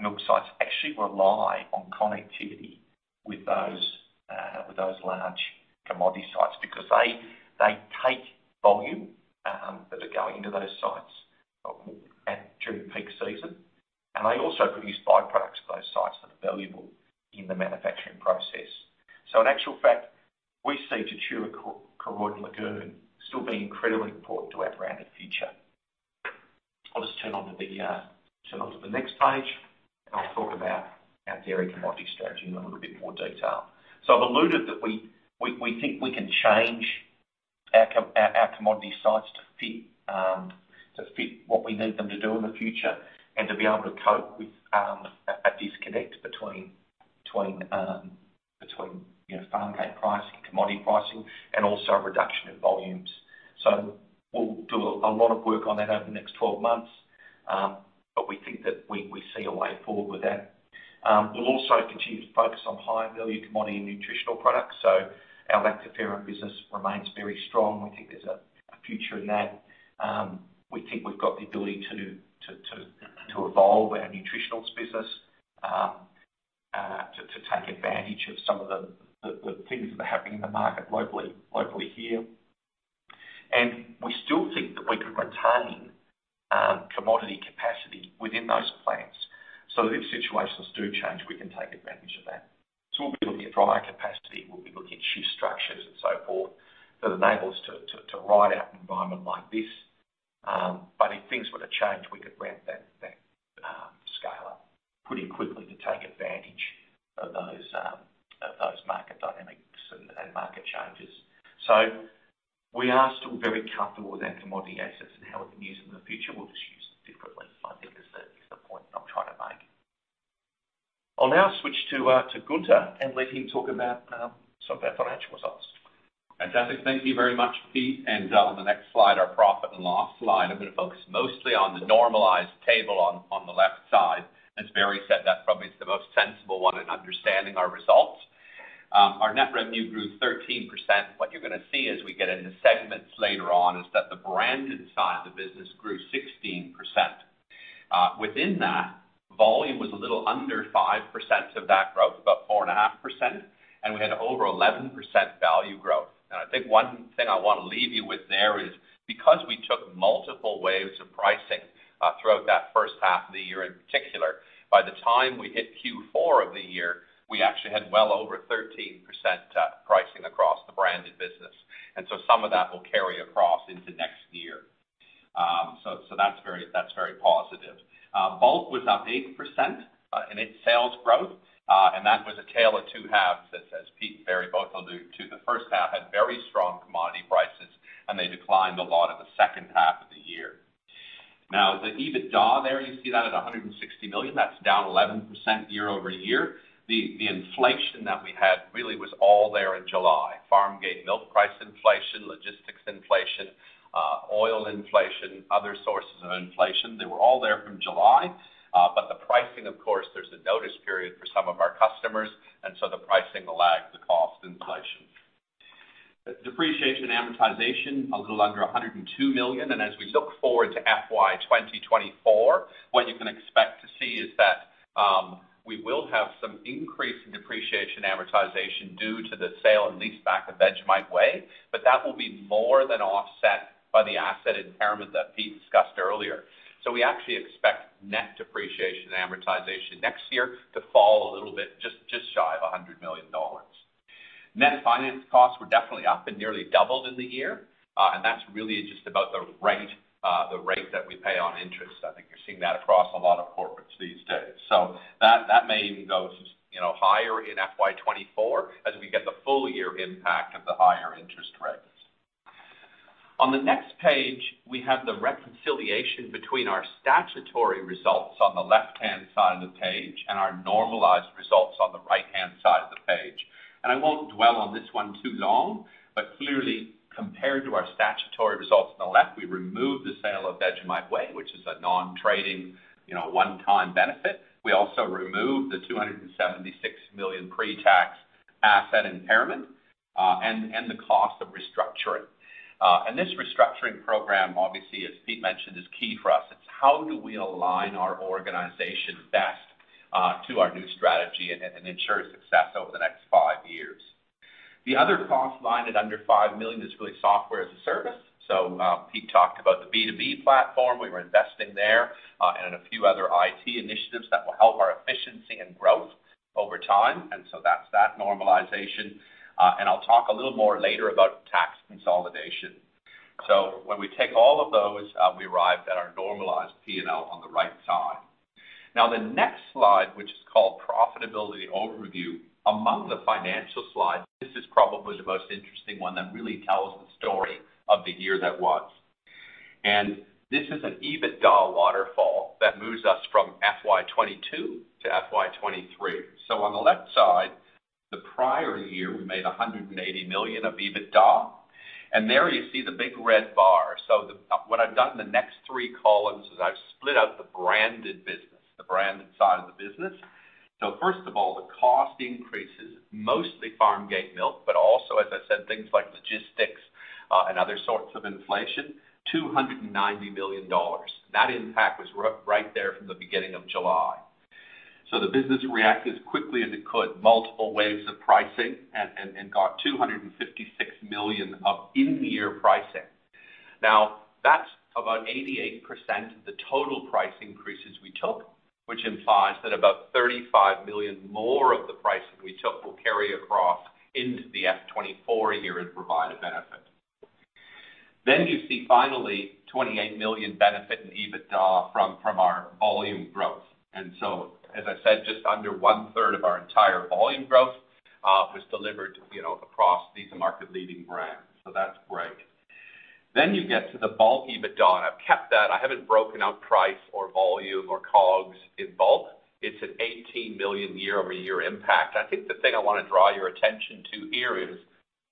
milk sites, actually rely on connectivity with those with those large commodity sites, because they take volume that are going into those sites during peak season. And they also produce byproducts for those sites that are valuable in the manufacturing process. So in actual fact, we see Tatura, Koroit, and Lagoon still being incredibly important to our branded future. I'll just turn to the next page, and I'll talk about our dairy commodity strategy in a little bit more detail. So I've alluded that we think we can change our commodity sites to fit what we need them to do in the future, and to be able to cope with a disconnect between, you know, farm gate pricing, commodity pricing, and also a reduction in volumes. So we'll do a lot of work on that over the next 12 months, but we think that we see a way forward with that. We'll also continue to focus on higher-value commodity and nutritional products, so our lactoferrin business remains very strong. We think there's a future in that. We think we've got the ability to evolve our nutritionals business to take advantage of some of the things that are happening in the market locally here. We still think that we can retain commodity capacity within those plants. So if situations do change, we can take advantage of that. So we'll be looking at dryer capacity, we'll be looking at shift structures, and so forth, that enable us to ride out an environment like this. But if things were to change, we could ramp that scale up pretty quickly to take advantage of those market dynamics and market changes. So we are still very comfortable with our commodity assets and how we can use them in the future. We'll just use them differently, I think is the point I'm trying to make. I'll now switch to Gunther and let him talk about some of our financial results. Fantastic. Thank you very much, Pete. On the next slide, our profit and loss slide, I'm gonna focus mostly on the normalized table on the left side. As Barry said, that probably is the most sensible one in understanding our results. Our net revenue grew 13%. What you're gonna see as we get into segments later on, is that the branded side of the business grew 16%. Within that, volume was a little under 5% of that growth, about 4.5%, and we had over 11% value growth. I think one thing I want to leave you with there is, because we took multiple waves of pricing throughout that first half of the year, in particular, by the time we hit Q4 of the year, we actually had well over 13% pricing across the branded business. And so some of that will carry across into next year. So that's very positive. Bulk was up 8% in its sales growth, and that was a tale of two halves, as Pete and Barry both allude to. The first half had very strong commodity prices, and they declined a lot in the second half of the year. Now, the EBITDA there, you see that at 160 million. That's down 11% year-over-year. The inflation that we had really was all there in July. Farmgate milk price inflation, logistics inflation, oil inflation, other sources of inflation, they were all there from July. But the pricing, of course, there's a notice period for some of our customers, and so the pricing lagged the cost inflation. Depreciation and amortization, a little under 102 million. And as we look forward to FY 2024, what you can expect to see is that, we will have some increase in depreciation and amortization due to the sale and lease back of Vegemite Way, but that will be more than offset by the asset impairment that Pete discussed earlier. So we actually expect net depreciation and amortization next year to fall a little bit, just shy of 100 million dollars. Net finance costs were definitely up and nearly doubled in the year, and that's really just about the rate, the rate that we pay on interest. I think you're seeing that across a lot of corporates these days. So that, that may even go you know, higher in FY 2024 as we get the full year impact of the higher interest rates. On the next page, we have the reconciliation between our statutory results on the left-hand side of the page and our normalized results on the right-hand side of the page. And I won't dwell on this one too long, but clearly, compared to our statutory results on the left, we removed the sale of Vegemite Way, which is a non-trading, you know, one-time benefit. We also removed the 276 million pre-tax asset impairment, and the cost of restructuring. And this restructuring program, obviously, as Pete mentioned, is key for us. It's how do we align our organization best to our new strategy and ensure success over the next five years? The other cost line at under 5 million is really software as a service. So, Pete talked about the B2B platform. We were investing there and a few other IT initiatives that will help our efficiency and growth over time, and so that's that normalization. And I'll talk a little more later about tax consolidation. So when we take all of those, we arrive at our normalized P&L on the right side. Now, the next slide, which is called Profitability Overview, among the financial slides, this is probably the most interesting one that really tells the story of the year that was. This is an EBITDA waterfall that moves us from FY 2022 to FY 2023. So on the left side, the prior year, we made 180 million of EBITDA, and there you see the big red bar. So the, what I've done in the next three columns is I've split out the branded business, the branded side of the business. So first of all, the cost increases, mostly farm gate milk, but also, as I said, things like logistics, and other sorts of inflation, 290 million dollars. That impact was right there from the beginning of July. So the business reacted as quickly as it could, multiple waves of pricing and got 256 million of in-the-year pricing. Now, that's about 88% of the total price increases we took, which implies that about 35 million more of the pricing we took will carry across into the FY 2024 year and provide a benefit. Then you see, finally, 28 million benefit in EBITDA from our volume growth. And so, as I said, just under one-third of our entire volume growth was delivered, you know, across these market-leading brands. So that's great. Then you get to the bulk EBITDA. I've kept that. I haven't broken out price or volume or COGS in bulk. It's an 18 million year-over-year impact. I think the thing I want to draw your attention to here is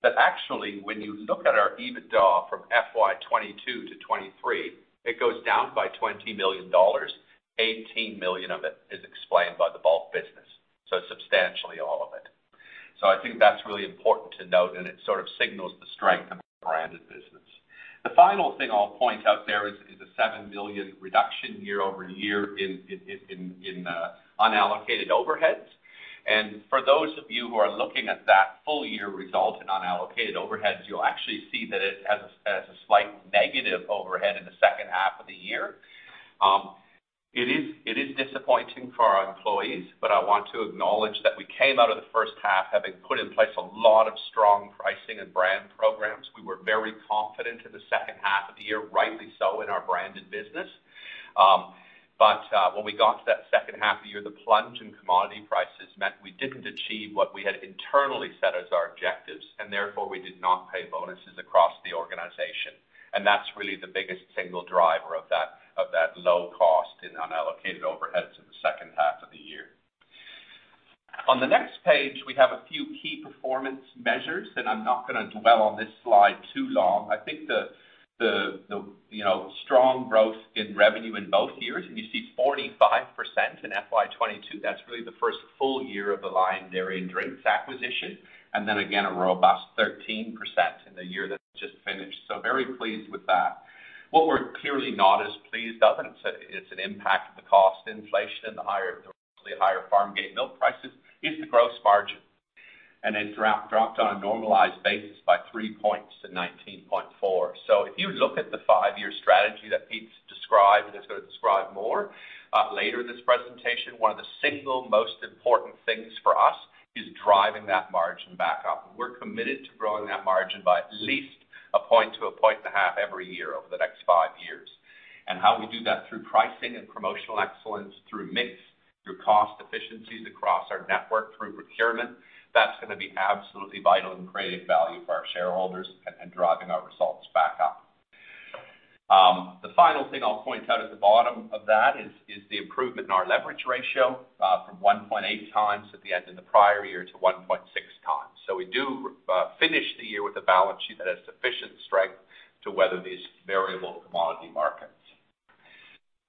that actually, when you look at our EBITDA from FY 2022 to 2023, it goes down by 20 million dollars. 18 million of it is explained by the bulk business, so substantially all of it. So I think that's really important to note, and it sort of signals the strength of the branded business. The final thing I'll point out there is a 7 million reduction year-over-year in unallocated overheads. And for those of you who are looking at that full-year result in unallocated overheads, you'll actually see that it has a slight negative overhead in the second half of the year. It is disappointing for our employees, but I want to acknowledge that we came out of the first half having put in place a lot of strong pricing and brand programs. We were very confident in the second half of the year, rightly so, in our branded business. When we got to that second half of the year, the plunge in commodity prices meant we didn't achieve what we had internally set as our objectives, and therefore we did not pay bonuses across the organization. That's really the biggest single driver of that low cost in unallocated overheads in the second half of the year. On the next page, we have a few key performance measures, and I'm not gonna dwell on this slide too long. I think you know, strong growth in revenue in both years, and you see 45% in FY 2022, that's really the first full year of the Lion Dairy and Drinks acquisition, and then again, a robust 13% in the year that just finished. Very pleased with that. What we're clearly not as pleased of, and it's an impact of the cost inflation and the higher farm gate milk prices, is the gross margin. It's dropped on a normalized basis by 3 points to 19.4. So if you look at the five-year strategy that Pete's described, and he's gonna describe more later in this presentation, one of the single most important things for us is driving that margin back up. We're committed to growing that margin by at least 1 point to 1.5 points every year over the next five years. And how we do that through pricing and promotional excellence, through mix, through cost efficiencies across our network, through procurement, that's gonna be absolutely vital in creating value for our shareholders and driving our results back up. The final thing I'll point out at the bottom of that is the improvement in our leverage ratio from 1.8x at the end of the prior year to 1.6x. So we do finish the year with a balance sheet that has sufficient strength to weather these variable commodity markets.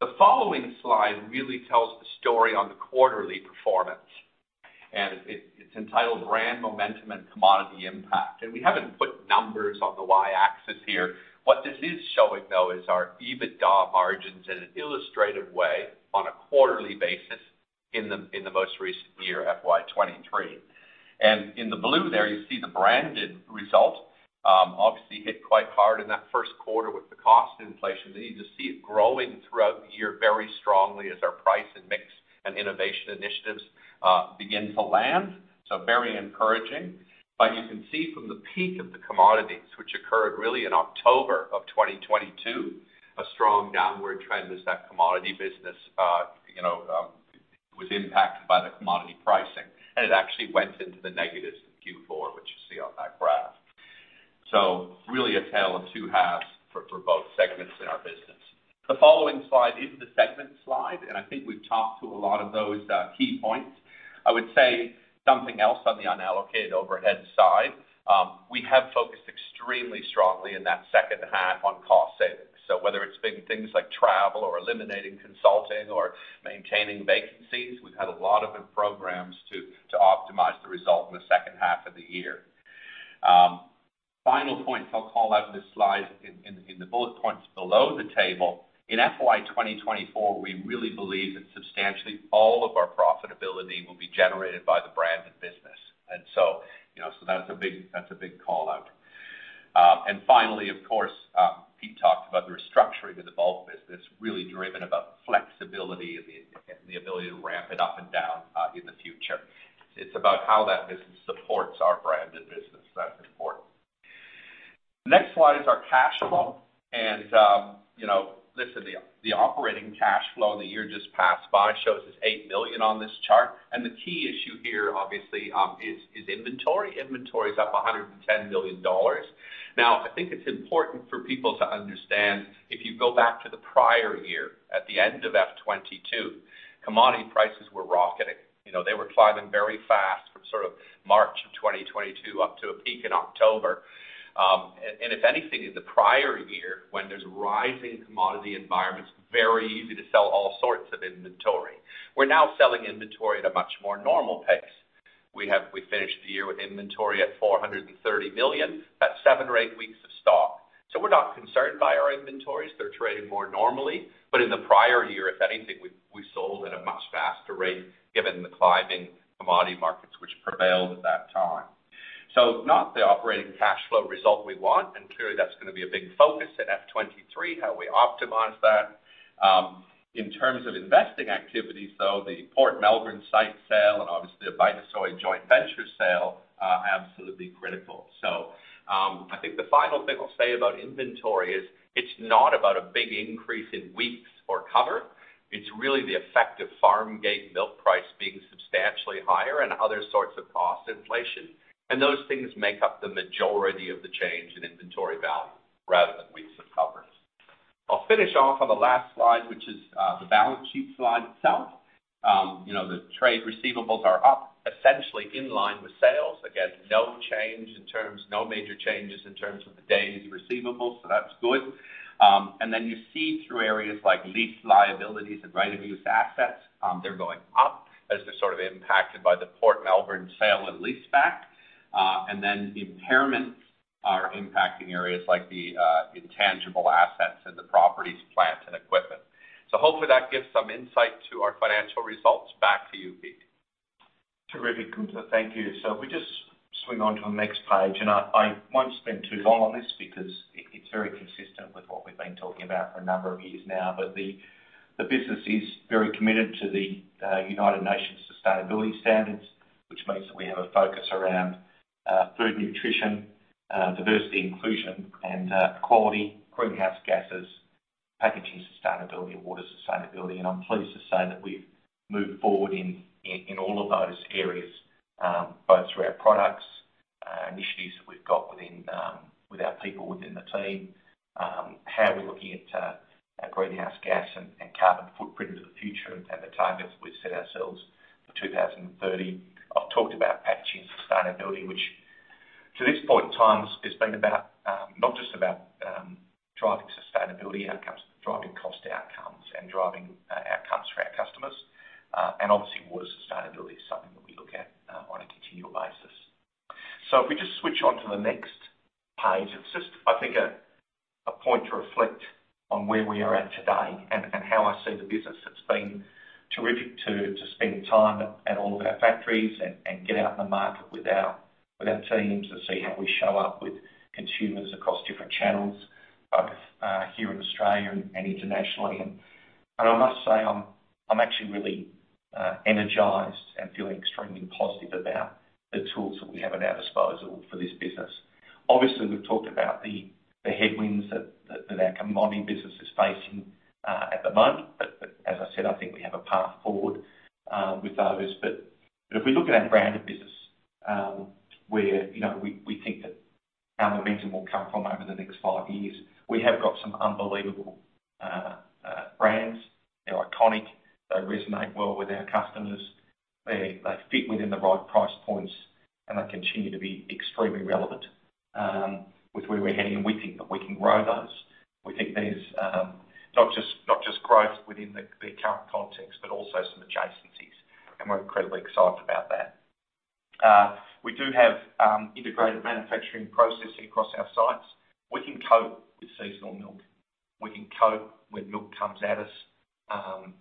The following slide really tells the story on the quarterly performance, and it's entitled Brand Momentum and Commodity Impact. We haven't put numbers on the Y-axis here. What this is showing, though, is our EBITDA margins in an illustrative way on a quarterly basis in the most recent year, FY 2023. In the blue there, you see the branded result, obviously, hit quite hard in that first quarter with the cost inflation. Then you just see it growing throughout the year very strongly as our price and mix and innovation initiatives begin to land. So very encouraging. But you can see from the peak of the commodities, which occurred really in October of 2022, a strong downward trend as that commodity business you know was impacted by the commodity pricing. And it actually went into the negatives in Q4, which you see on that graph. So really a tale of two halves for both segments in our business. The following slide is the segment slide, and I think we've talked to a lot of those key points. I would say something else on the unallocated overhead side, we have focused extremely strongly in that second half on cost savings. So whether it's been things like travel or eliminating consulting or maintaining vacancies, we've had a lot of programs to optimize the result in the second half of the year. Final points I'll call out in this slide, in the bullet points below the table. In FY 2024, we really believe that substantially all of our profitability will be generated by the branded business. And so, you know, so that's a big, that's a big call-out. And finally, of course, Pete talked about the restructuring of the bulk business, really driven about flexibility and the ability to ramp it up and down in the future. It's about how that business supports our branded business that's important. Next slide is our cash flow, and, you know, listen, the operating cash flow in the year just passed by shows us AUD 8 million on this chart, and the key issue here, obviously, is inventory. Inventory is up 110 million dollars. Now, I think it's important for people to understand, if you go back to the prior year, at the end of FY 2022, commodity prices were rocketing. You know, they were climbing very fast from sort of March 2022 up to a peak in October. And if anything, in the prior year, when there's rising commodity environments, very easy to sell all sorts of inventory. We're now selling inventory at a much more normal pace. We finished the year with inventory at 430 million. That's seven or eight weeks of stock. So we're not concerned by our inventories. They're trading more normally, but in the prior year, if anything, we sold at a much faster rate given the climbing commodity markets, which prevailed at that time. So not the operating cash flow result we want, and clearly, that's gonna be a big focus at FY 2023, how we optimize that. In terms of investing activities, though, the Port Melbourne site sale and obviously, the Vitasoy joint venture sale are absolutely critical. So, I think the final thing I'll say about inventory is, it's not about a big increase in weeks or cover. It's really the effect of farm gate milk price being substantially higher and other sorts of cost inflation, and those things make up the majority of the change in inventory value rather than weeks of covers. I'll finish off on the last slide, which is the balance sheet slide itself. You know, the trade receivables are up, essentially in line with sales. Again, no change in terms-- no major changes in terms of the days receivables, so that's good. And then you see through areas like lease liabilities and right-of-use assets, they're going up as they're sort of impacted by the Port Melbourne sale and leaseback. And then impairments are impacting areas like the intangible assets and the properties, plant, and equipment. So hopefully, that gives some insight to our financial results. Back to you, Pete. Terrific, Gunther. Thank you. So if we just swing on to the next page, and I won't spend too long on this because it's very consistent with what we've been talking about for a number of years now. But the business is very committed to the United Nations sustainability standards, which means that we have a focus around food nutrition, diversity, inclusion, and quality, greenhouse gases, packaging, sustainability, and water sustainability. And I'm pleased to say that we've moved forward in all of those areas, both through our products, initiatives that we've got within with our people within the team, how we're looking at our greenhouse gas and carbon footprint into the future and the targets we've set ourselves for 2030. I've talked about packaging sustainability, which to this point in time, it's been about, not just about driving sustainability outcomes, but driving cost outcomes and obviously, water sustainability is something that we look at on a continual basis. So if we just switch on to the next page, it's just, I think, a point to reflect on where we are at today and how I see the business. It's been terrific to spend time at all of our factories and get out in the market with our teams to see how we show up with consumers across different channels, both here in Australia and internationally. And I must say, I'm actually really energized and feeling extremely positive about the tools that we have at our disposal for this business. Obviously, we've talked about the headwinds that our commodity business is facing at the moment, but as I said, I think we have a path forward with those. But if we look at our branded business, where, you know, we think that our momentum will come from over the next five years, we have got some unbelievable brands. They're iconic, they resonate well with our customers. They fit within the right price points, and they continue to be extremely relevant with where we're heading, and we think that we can grow those. We think there's not just growth within the current context, but also some adjacencies, and we're incredibly excited about that. We do have integrated manufacturing processing across our sites. We can cope with seasonal milk. We can cope when milk comes at us,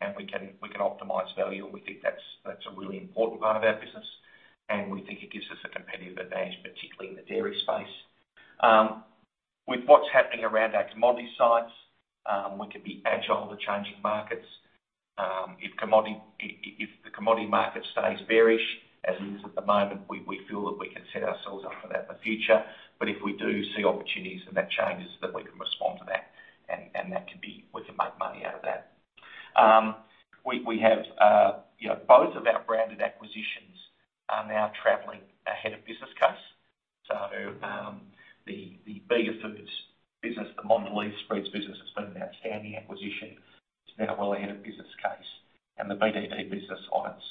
and we can, we can optimize value, and we think that's, that's a really important part of our business, and we think it gives us a competitive advantage, particularly in the dairy space. With what's happening around our commodity sites, we can be agile to changing markets. If the commodity market stays bearish, as it is at the moment, we, we feel that we can set ourselves up for that in the future. But if we do see opportunities and that changes, then we can respond to that, and, and that can be. We can make money out of that. We have, you know, both of our branded acquisitions are now traveling ahead of business case. The Bega Foods business, the Mondelez Spreads business, has been an outstanding acquisition. It's now well ahead of business case, and the BDD business on its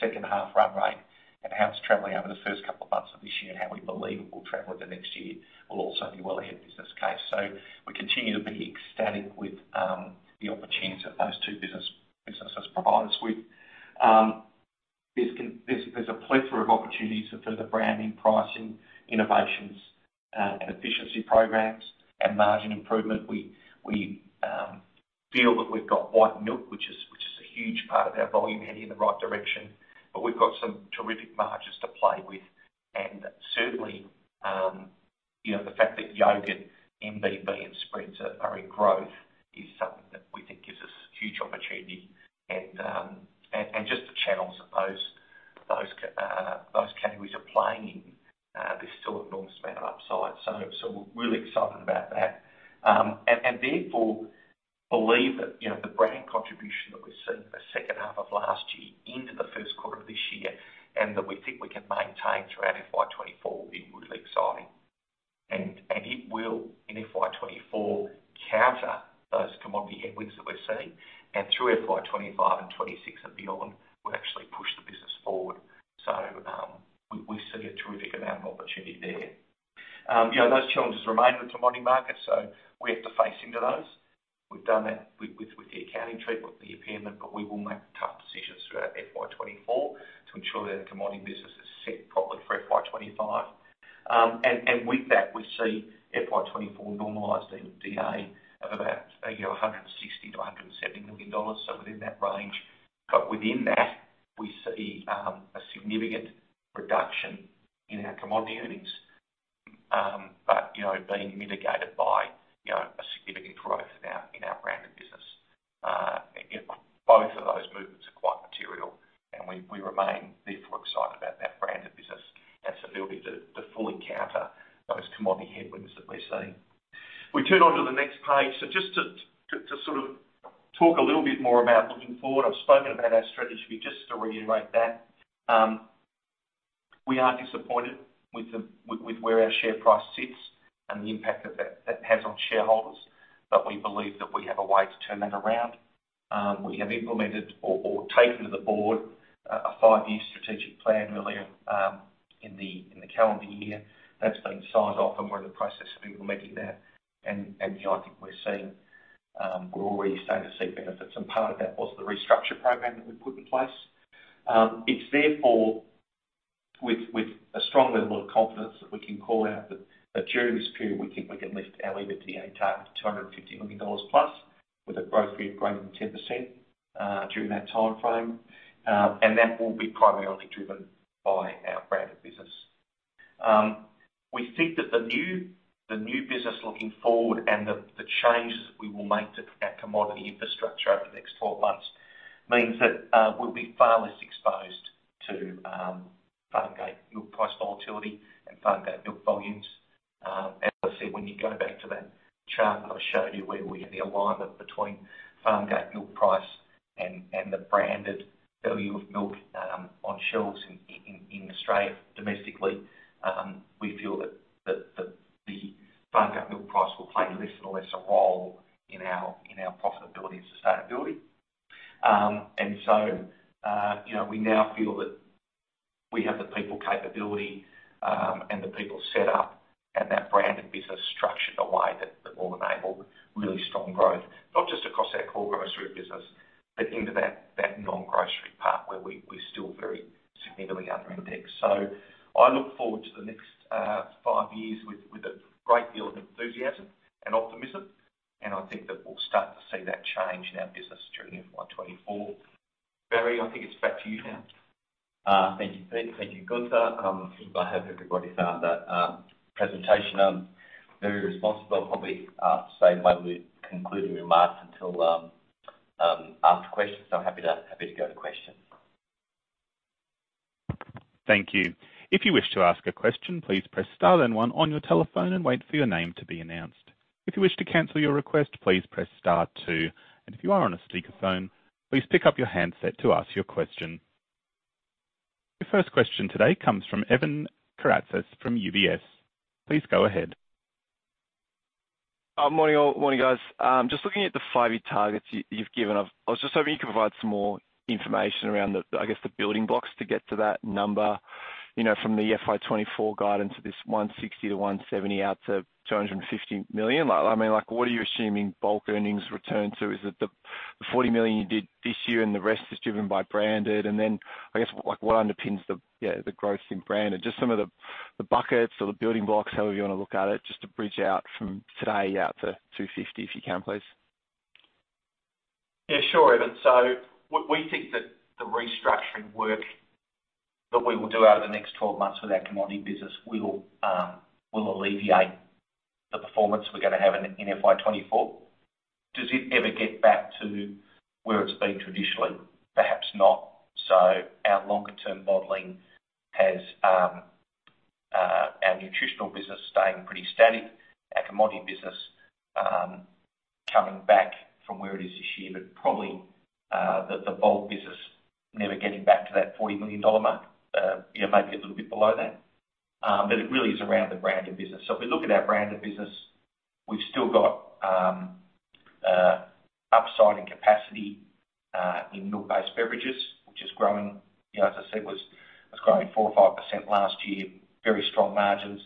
second half run rate, and how it's traveling over the first couple of months of this year, and how we believe it will travel in the next year, will also be well ahead of business case. So we continue to be ecstatic with the opportunities that those two businesses provide us with. There's a plethora of opportunities for further branding, pricing, innovations, and efficiency programs and margin improvement. We feel that we've got white milk, which is a huge part of our volume, heading in the right direction, but we've got some terrific margins to play with. And certainly, you know, the fact that yogurt, MBB, and spreads are in growth is something that we think gives us huge opportunity. Just the channels that those categories are playing in, there's still an enormous amount of upside. So we're really excited about that. Therefore believe that, you know, the brand contribution that we've seen in the second half of last year into the first quarter of this year, and that we think we can maintain through our FY 2024, will be really exciting. And it will, in FY 2024, counter those commodity headwinds that we're seeing, and through FY 2025 and 2026 and beyond, will actually push the business forward. So we see a terrific amount of opportunity there. You know, those challenges remain in the commodity market, so we have to face into those. We've done that with the accounting treatment, the impairment, but we will make tough decisions throughout FY 2024 to ensure that our commodity business is set properly for FY 2025. And with that, we see FY 2024 normalized EBITDA of about, you know, 160 million-170 million dollars, so within that range. But within that, we see a significant reduction in our commodity earnings, but, you know, being mitigated by, you know, a significant growth in our branded business. And both of those movements are quite material, and we remain therefore excited about that branded business, and so it'll be the full encounter, those commodity headwinds that we're seeing. We turn onto the next page. So just to sort of talk a little bit more about looking forward, I've spoken about our strategy, but just to reiterate that, we are disappointed with where our share price sits and the impact that has on shareholders, but we believe that we have a way to turn that around. We have implemented or taken to the board a five-year strategic plan earlier in the calendar year. That's been signed off, and we're in the process of implementing that. And you know, I think we're already starting to see benefits, and part of that was the restructure program that we put in place. It's therefore, with a strong level of confidence, that we can call out that during this period, we think we can lift our EBITDA target to AUD 250 million plus, with a growth rate of greater than 10% during that timeframe. That will be primarily driven by our branded business. We think that the new business looking forward and the changes that we will make to our commodity infrastructure over the next 12 months means that we'll be far less exposed to farmgate milk price volatility and farmgate milk volumes. And obviously, when you go back to that chart, I showed you where we had the alignment between farm gate milk price and the branded value of milk on shelves in Australia domestically, we feel that the farm gate milk price will play less and less a role in our profitability and sustainability. And so, you know, we now feel that we have the people capability and the people set up, and that branded business structured in a way that will enable really strong growth, not just across our core grocery business, but into that non-grocery part where we're still very significantly under indexed. So I look forward to the next five years with, with a great deal of enthusiasm and optimism, and I think that we'll start to see that change in our business during FY 2024. Barry, I think it's back to you now. Thank you, Pete. Thank you, Gunther. I hope everybody found that presentation very responsible. Probably save my concluding remarks until after questions. So happy to go to questions. Thank you. If you wish to ask a question, please press Star then one on your telephone and wait for your name to be announced. If you wish to cancel your request, please press Star two. If you are on a speakerphone, please pick up your handset to ask your question. Your first question today comes from Evan Karatzas from UBS. Please go ahead. Morning, all, morning, guys. Just looking at the five-year targets you've given, I was just hoping you could provide some more information around the, I guess, the building blocks to get to that number, you know, from the FY 2024 guidance of this 160 million-170 million out to 250 million. Like, I mean, like, what are you assuming bulk earnings return to? Is it the, the 40 million you did this year, and the rest is driven by branded? And then, I guess, like, what underpins the, yeah, the growth in branded. Just some of the, the buckets or the building blocks, however you want to look at it, just to bridge out from today out to 250 million, if you can, please. Yeah, sure, Evan. So we think that the restructuring work that we will do over the next 12 months with our commodity business will alleviate the performance we're gonna have in FY 2024. Does it ever get back to where it's been traditionally? Perhaps not. So our longer-term modeling has our nutritional business staying pretty steady, our commodity business coming back from where it is this year, but probably the bulk business never getting back to that 40 million dollar mark. Yeah, maybe a little bit below that. But it really is around the branded business. So if we look at our branded business, we've still got upside and capacity in milk-based beverages, which is growing. You know, as I said, was growing 4%-5% last year, very strong margins.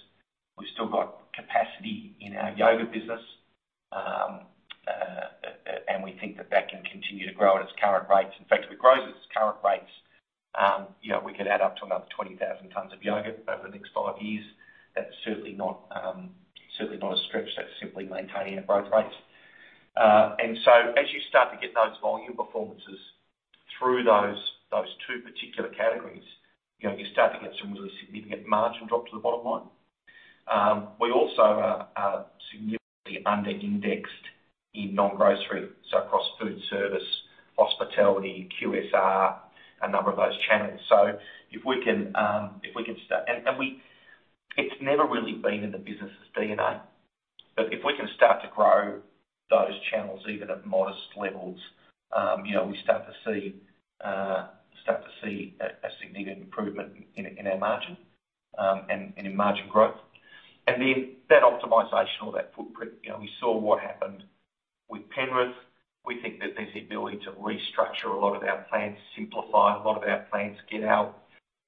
We've still got capacity in our yogurt business. And we think that that can continue to grow at its current rates. In fact, if it grows at its current rates, you know, we could add up to another 20,000 tons of yogurt over the next five years. That's certainly not certainly not a stretch. That's simply maintaining our growth rates. And so as you start to get those volume performances through those, those two particular categories, you know, you're starting to get some really significant margin drop to the bottom line. We also are significantly under-indexed in non-grocery, so across food service, hospitality, QSR, a number of those channels. So if we can if we can start. It's never really been in the business's DNA, but if we can start to grow those channels, even at modest levels, you know, we start to see a significant improvement in our margin, and in margin growth. And then that optimization or that footprint, you know, we saw what happened with Penrith. We think that there's the ability to restructure a lot of our plants, simplify a lot of our plants, get our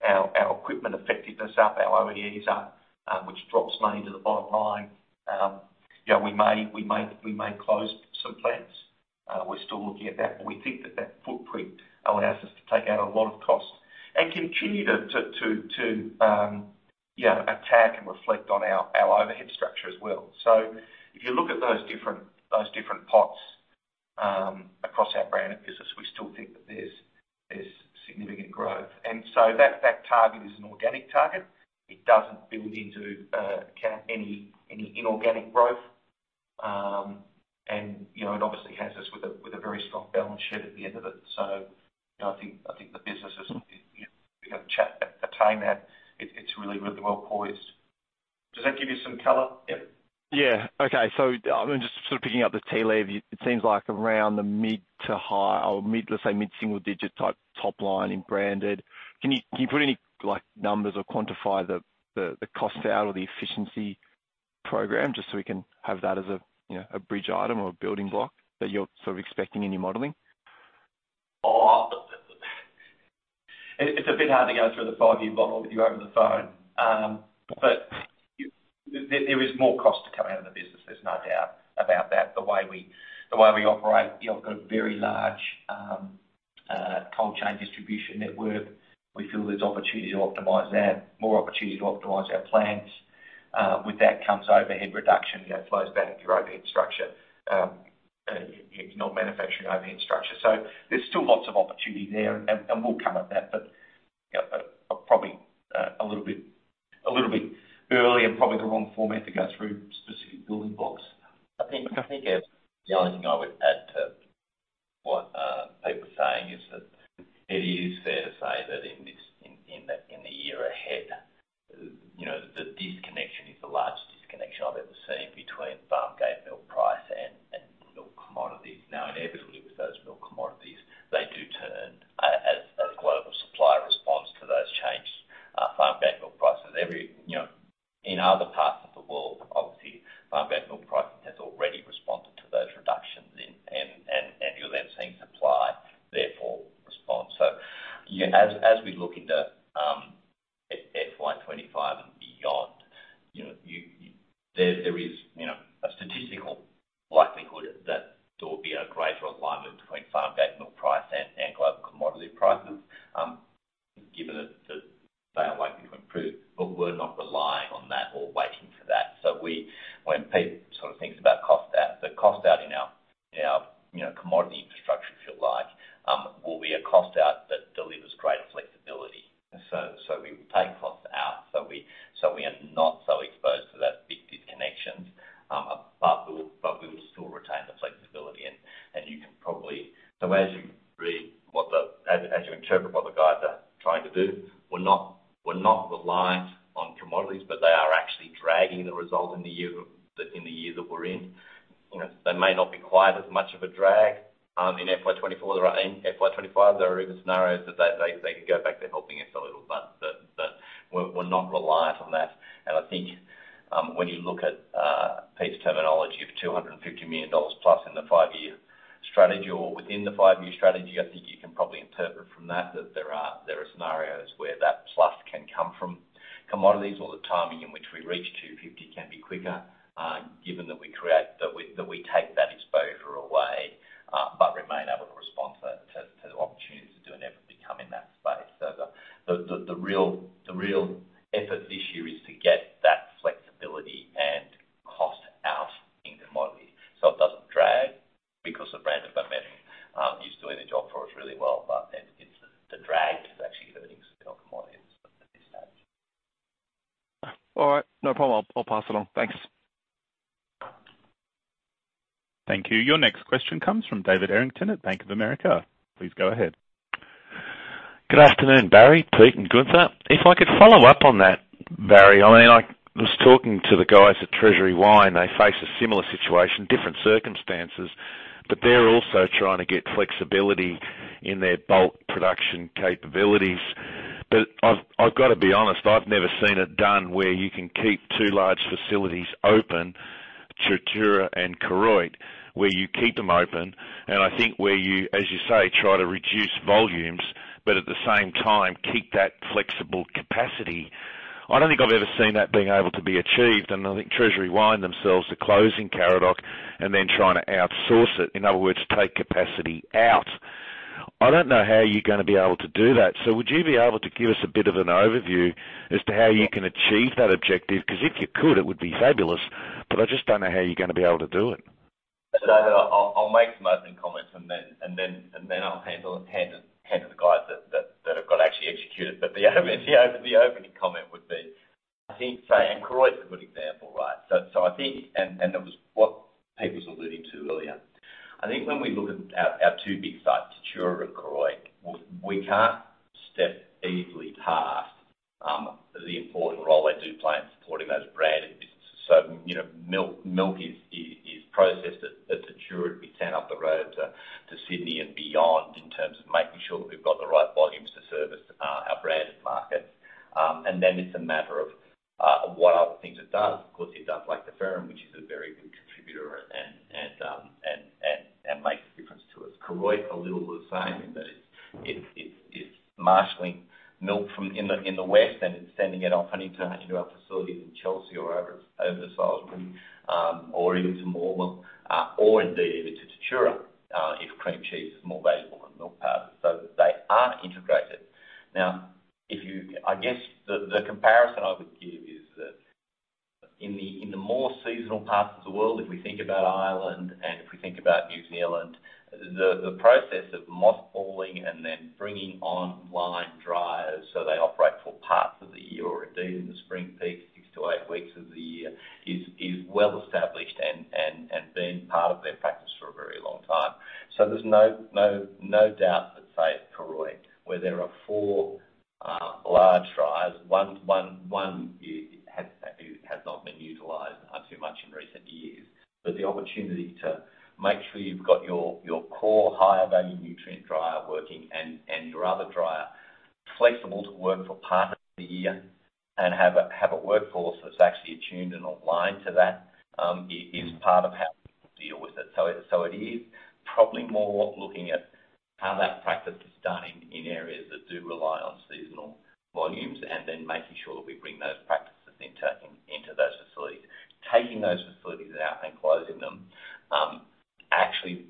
equipment effectiveness up, our OEEs up, which drops money to the bottom line. You know, we may close some plants. We're still looking at that, but we think that footprint allows us to take out a lot of cost and continue to attack and reflect on our overhead structure as well. So if you look at those different pots across our branded business, we still think that there's significant growth. And so that target is an organic target. It doesn't build into count any inorganic growth. And, you know, it obviously has us with a very strong balance sheet at the end of it. So, you know, I think the business is, you know, gonna attain that. It's really, really well poised. Does that give you some color, Evan? Yeah. Okay, so, I'm just sort of picking up the tea leaves. It seems like around the mid to high or mid, let's say, mid-single digit type top line in branded. Can you, can you put any, like, numbers or quantify the, the, the costs out or the efficiency program, just so we can have that as a, you know, a bridge item or a building block that you're sort of expecting in your modeling? Oh, it's a bit hard to go through the five-year model with you over the phone. But there is more cost to come out of the business, there's no doubt about that. The way we, the way we operate, you know, a very large cold chain distribution network, we feel there's opportunity to optimize that, more opportunity to optimize our plans. With that comes overhead reduction, you know, flows back through overhead structure, non-manufacturing overhead structure. So there's still lots of opportunity there, and we'll come at that, but probably a little bit early and probably the wrong format to go through specific building blocks. I think, Evan, the only thing I would add to what Pete was saying is that it is fair to say that in the year ahead, you know, the disconnection is the largest disconnection I've ever seen between farm gate milk price and milk commodities. Now, inevitably, with those milk commodities, they do turn as global supply responds to those changed farm gate milk prices. You know, in other parts of the world, obviously, farm gate milk pricing has already responded. Supply, therefore, response. So, as we look into FY 2025 and beyond, you know, there is, you know, a statistical likelihood that there will be a greater alignment between farm gate milk price and global commodity prices, given that the data likely to improve, but we're not relying on that or waiting for that. So, when Pete sort of thinks about cost out, the cost out in our commodity infrastructure, if you like, will be a cost out that delivers greater flexibility. So, we take costs out, so we are not so exposed to that big disconnections, but we would still retain the flexibility and you can probably. So as you interpret what the guys are trying to do, we're not reliant on commodities, but they are actually dragging the results in the year that we're in. You know, they may not be quite as much of a drag in FY 2024, or in FY 2025. There are even scenarios that they could go back to helping us a little, but we're not reliant on that. I think, when you look at Pete's terminology of 250 million dollars+ in the five-year strategy or within the five-year strategy, I think you can probably interpret from that, that there are scenarios where that plus can come from commodities or the timing in which we reach 250 can be quicker, given that we take that exposure away, but remain able to respond to opportunities as they become in that space. So the real effort this year is to get that flexibility and cost out in commodity, so it doesn't drag because the branded by metric is doing the job for us really well, but it's the drag to actually earnings on commodities. All right. No problem. I'll pass along. Thanks. Thank you. Your next question comes from David Errington at Bank of America. Please go ahead. Good afternoon, Barry, Pete, and Gunther. If I could follow up on that, Barry, I mean, I was talking to the guys at Treasury Wine. They face a similar situation, different circumstances, but they're also trying to get flexibility in their bulk production capabilities. But I've, I've got to be honest, I've never seen it done where you can keep two large facilities open, Tatura and Koroit, where you keep them open, and I think where you, as you say, try to reduce volumes, but at the same time, keep that flexible capacity. I don't think I've ever seen that being able to be achieved, and I think Treasury Wine themselves are closing Karadoc and then trying to outsource it. In other words, take capacity out. I don't know how you're gonna be able to do that. Would you be able to give us a bit of an overview as to how you can achieve that objective? Because if you could, it would be fabulous, but I just don't know how you're gonna be able to do it. So I'll make some opening comments, and then I'll hand over to the guys that have actually executed. But the opening comment would be, I think, and Koroit is a good example, right? So I think it was what Pete was alluding to earlier. I think when we look at our two big sites, Tatura and Koroit, we can't step easily past the important role they do play in supporting those branded businesses. So, you know, milk is processed at Tatura to be sent up the road to Sydney and beyond in terms of making sure that we've got the right volumes to service our branded markets. And then it's a matter of what other things it does. Of course, it does lactoferrin, which is a very good contributor and makes a difference to us. Koroit, a little the same in that it's marshaling milk from the west, and it's sending it off into our facilities in Chelsea or over to Salisbury, or even to Morwell, or indeed, even to Tatura, if cream cheese is more valuable than milk powder, so they are integrated. Now, if you. I guess the comparison I would give is that in the more seasonal parts of the world, if we think about Ireland, and if we think about New Zealand, the process of mothballing and then bringing online dryers, so they operate for parts of the year or indeed, in the spring peak, 6-8 weeks of the year, is well established and been part of their practice for a very long time. So there's no doubt that, say, at Koroit, where there are four large dryers, one has not been utilized too much in recent years. But the opportunity to make sure you've got your core higher value nutrient dryer working and your other dryer flexible to work for parts of the year and have a workforce that's actually attuned and aligned to that is part of how people deal with it. So it is probably more looking at how that practice is done in areas that do rely on seasonal volumes, and then making sure that we bring those practices into those facilities. Taking those facilities out and closing them, actually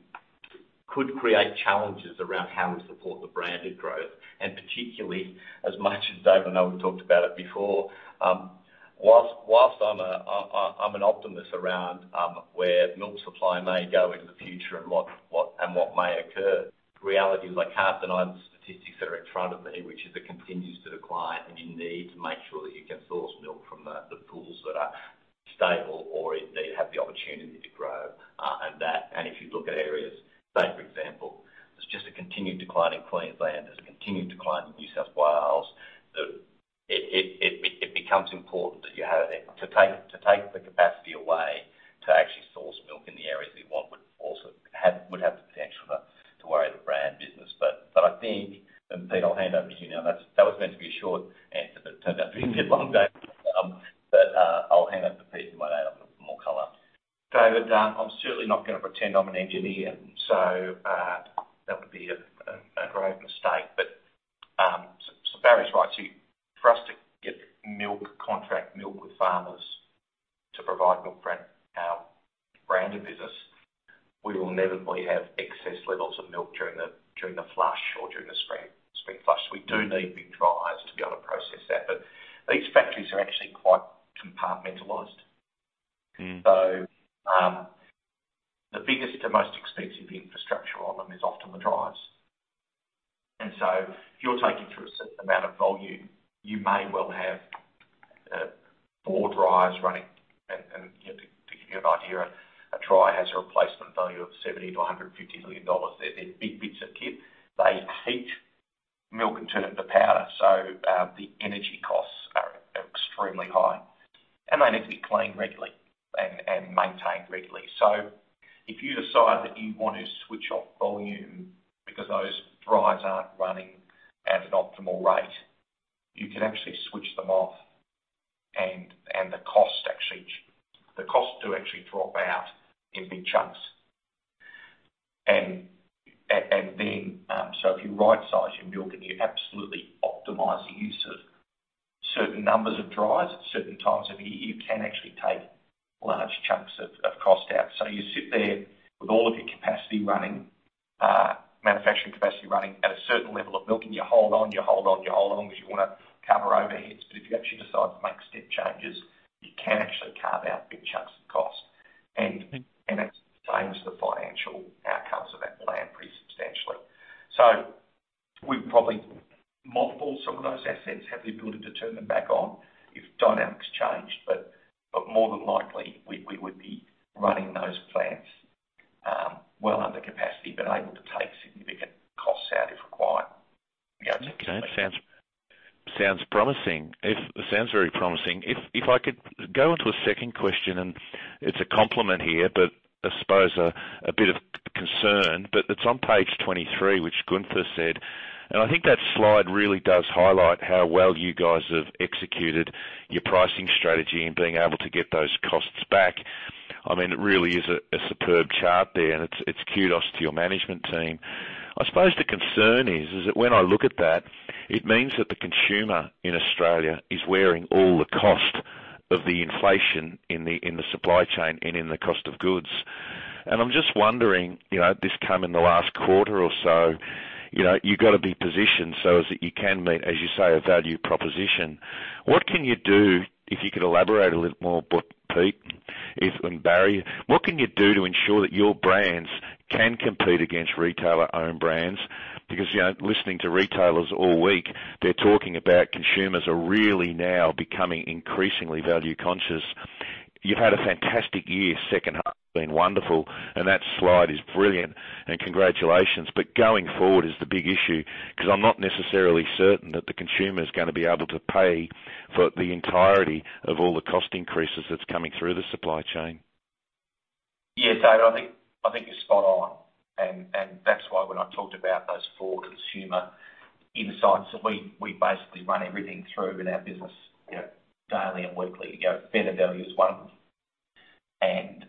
could create challenges around how we support the branded growth, and particularly, as much as David, I know we've talked about it before, whilst I'm a, I'm an optimist around where milk supply may go into the future and what may occur, reality is I can't deny the statistics that are in front of me, which is it continues to decline, and you need to make sure that you can source milk from the pools that are stable or indeed have the opportunity to grow. And that, and if you look at areas, say for example, there's just a continued decline in Queensland, there's a continued decline in New South Wales, it becomes important that you have. To take the capacity away to actually source milk in the areas we want would also have the potential to worry the brand business. But I think, and Pete, I'll hand over to you now. That was meant to be a short answer, but it turned out to be a bit long, Dave. David, I'm certainly know, you've got to be positioned so as that you can meet, as you say, a value proposition. What can you do, if you could elaborate a little more, but Pete, if, and Barry, what can you do to ensure that your brands can compete against retailer-owned brands? Because, you know, listening to retailers all week, they're talking about consumers are really now becoming increasingly value-conscious. You've had a fantastic year, second half been wonderful, and that slide is brilliant and congratulations. But going forward is the big issue, because I'm not necessarily certain that the consumer is going to be able to pay for the entirety of all the cost increases that's coming through the supply chain. Yeah, David, I think, I think you're spot on, and, and that's why when I talked about those four consumer insights that we, we basically run everything through in our business, you know, daily and weekly. You know, better value is one of them. And,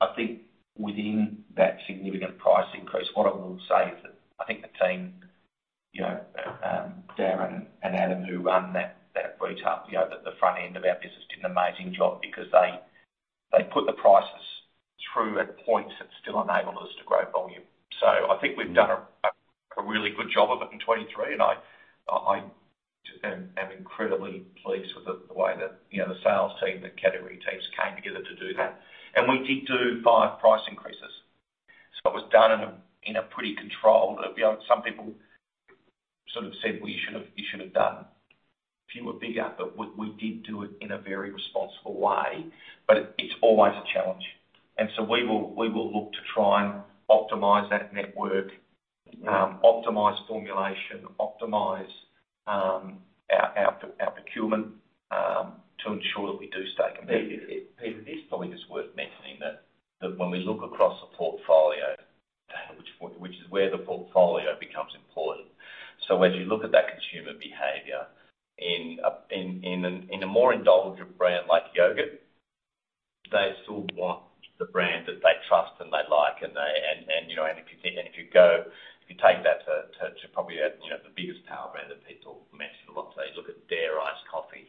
I think within that significant price increase, what I will say is that I think the team, you know, Darren and Adam, who run that, that retail, you know, the front end of our business, did an amazing job because they, they put the prices through at a point that still enabled us to grow volume. So I think we've done a, a really good job of it in 2023, and I, I am, am incredibly pleased with the, the way that, you know, the sales team, the category teams came together to do that. And we did do five price increases. So it was done in a pretty controlled, you know, some people sort of said, "We should have, you should have done fewer, bigger," but we, we did do it in a very responsible way. But it's always a challenge. And so we will, we will look to try and optimize that network, optimize formulation, optimize, our, our, our procurement, to ensure that we do stay competitive. It probably is worth mentioning that when we look across the portfolio, which is where the portfolio becomes important. So when you look at that consumer behavior in a more indulgent brand like yogurt, they still want the brand that they trust and they like, and they. And, and, you know, and if you think, and if you go, if you take that to, to, to probably at, you know, the biggest power brand that people mention a lot, so you look at Dare Iced Coffee,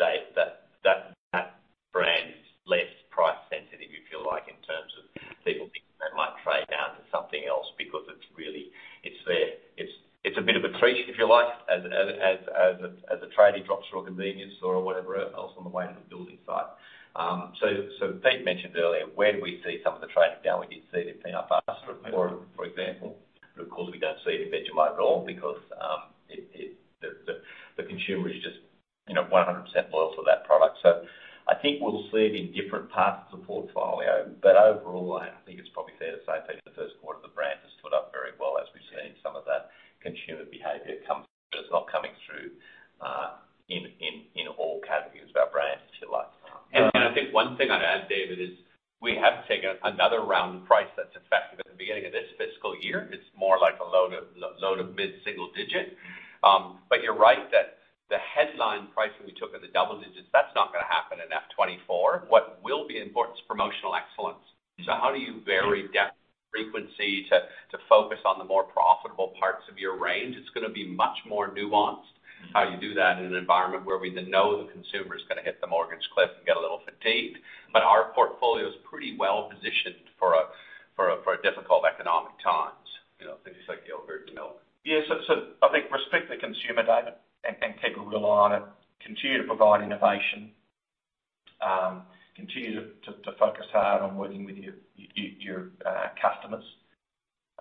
they, that, that, that brand is less price sensitive, you feel like, in terms of people thinking they might trade down to something else because it's really, it's there. It's a bit of a treat, if you like, as a tradie drops or a convenience or whatever else on the way to the building site. So Pete mentioned earlier, where do we see some of the trading down? We did see it in Peanut Butter, for example. But of course, we don't see it in Vegemite at all because the consumer is just, you know, 100% loyal to that product. So I think we'll see it in different parts of the portfolio, but overall, I think it's probably fair to say that in the first quarter, the brand has stood up very well as we've seen some of that consumer behavior come through, but it's not coming through in all categories of our brands, if you like. And I think one thing I'd add, David, is we have taken another round of price that's effective at the beginning of this fiscal year. It's more like a low- to mid-single digit. But you're right, that the headline pricing we took in the double digits, that's not going to happen in FY 2024. What will be important is promotional excellence. So how do you vary depth, frequency, to focus on the more profitable parts of your range? It's going to be much more nuanced, how you do that in an environment where we know the consumer is going to hit the mortgage cliff and get a little fatigued. But our portfolio is pretty well positioned for a difficult economic times, you know, things like yogurt and milk. Yes, so I think respect the consumer data and take a real eye on it, continue to provide innovation, continue to focus hard on working with your customers,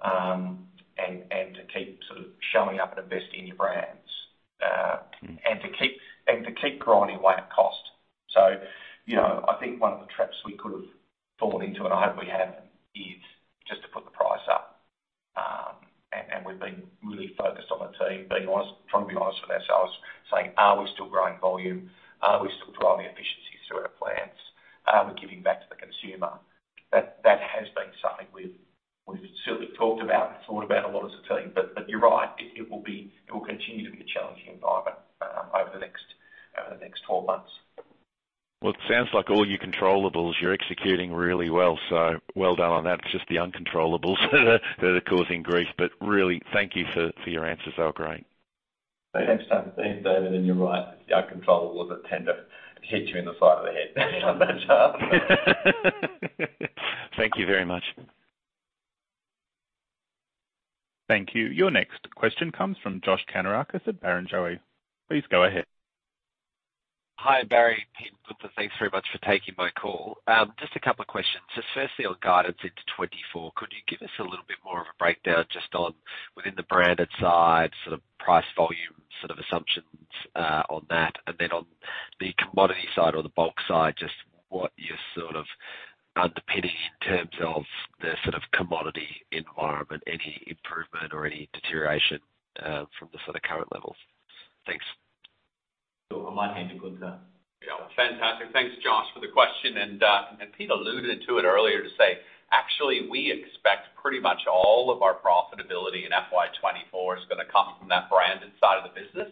and to keep sort of showing up and investing in your brands, and to keep growing away at cost. So, you know, I think one of the traps we could have fallen into, and I hope we haven't, is just to put the price up. And we've been really focused on the team, being honest, trying to be honest with ourselves, saying: Are we still growing volume? Are we still driving efficiencies through our plans? Are we giving back to the consumer? That has been something we've certainly talked about and thought about a lot as a team. But you're right, it will continue to be a challenging environment over the next 12 months. Well, it sounds like all your controllables, you're executing really well, so well done on that. It's just the uncontrollables that are causing grief. But really, thank you for your answers. They were great. Thanks, Dave. You're right, the uncontrollables that tend to hit you in the side of the head sometimes. Thank you very much. Thank you. Your next question comes from Josh Kannourakis at Barrenjoey. Please go ahead. Hi, Barry and Pete. Thanks very much for taking my call. Just a couple of questions. Just firstly, on guidance into 2024, could you give us a little bit more of a breakdown just on within the branded side, sort of price, volume, sort of assumptions, on that? And then on the commodity side or the bulk side, just what you're sort of underpinning in terms of the sort of commodity environment, any improvement or any deterioration, from the sort of current levels? Thanks. On my end, a good turn. Yeah, fantastic. Thanks, Josh, for the question, and Pete alluded to it earlier to say, actually, we expect pretty much all of our profitability in FY 2024 is going to come from that branded side of the business.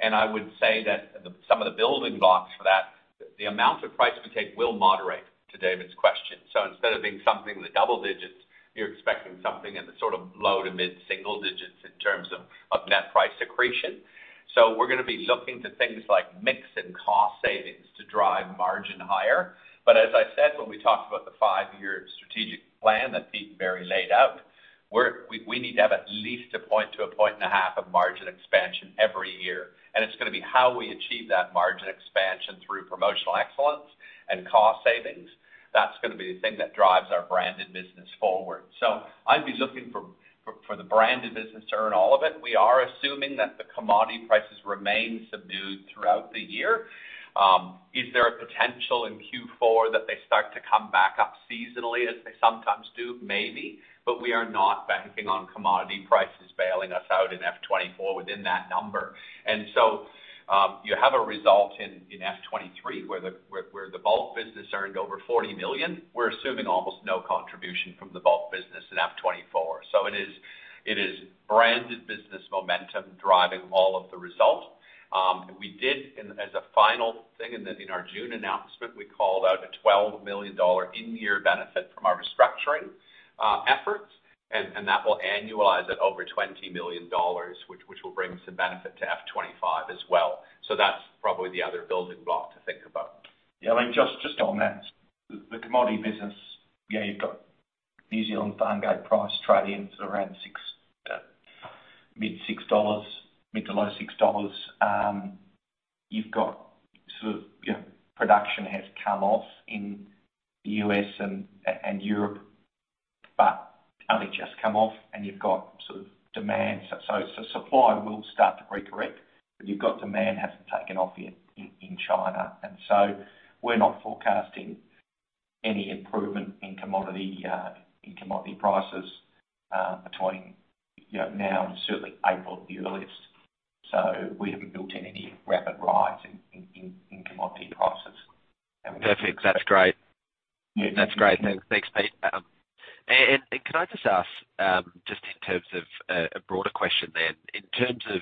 And I would say that some of the building blocks for that, the amount of price we take will moderate to David's question. So instead of being something in the double digits, you're expecting something in the sort of low to mid single digits in terms of net price accretion. So we're going to be looking to things like mix and cost savings to drive margin higher. But as I said, when we talked about the five-year strategic plan that Pete and Barry laid out, we need to have at least 1-1.5 points of margin expansion every year, and it's going to be how we achieve that margin expansion through promotional excellence and cost savings. That's going to be the thing that drives our branded business forward. So I'd be looking for the branded business to earn all of it. We are assuming that the commodity prices remain subdued throughout the year. Is there a potential in Q4 that they start to come back up seasonally, as they sometimes do? Maybe, but we are not banking on commodity prices bailing us out in FY 2024 within that number. So, you have a result in FY 2023, where the bulk business earned over 40 million. We're assuming almost no contribution from the bulk business in FY 2024. So it is branded business momentum driving all of the result. We did, as a final thing in our June announcement, call out a 12 million dollar in-year benefit from our restructuring efforts, and that will annualize at over 20 million dollars, which will bring some benefit to FY 2025 as well. So that's probably the other building block to think about. Yeah, I mean, just on that, the commodity business, yeah, you've got New Zealand farm gate price, GDT in is around 6, mid-6 dollars, mid- to low-6 dollars. You've got sort of, you know, production has come off in the US and Europe, but only just come off and you've got sort of demand. So supply will start to re-correct, but you've got demand hasn't taken off yet in China. And so we're not forecasting any improvement in commodity prices between, you know, now and certainly April at the earliest. So we haven't built in any rapid rise in commodity prices. Perfect. That's great. That's great. Thanks, Pete. And can I just ask, just in terms of a broader question then, in terms of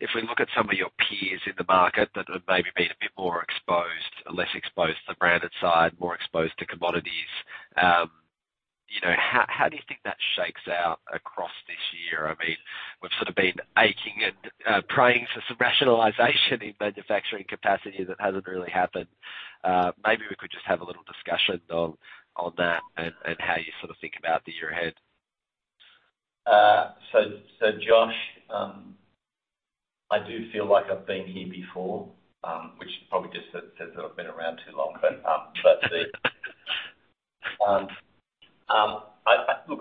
if we look at some of your peers in the market that have maybe been a bit more exposed or less exposed to the branded side, more exposed to commodities, you know, how do you think that shakes out across this year? I mean, we've sort of been aching and praying for some rationalization in manufacturing capacity that hasn't really happened. Maybe we could just have a little discussion on that and how you sort of think about the year ahead. So, Josh, I do feel like I've been here before, which probably just says that I've been around too long, but, look,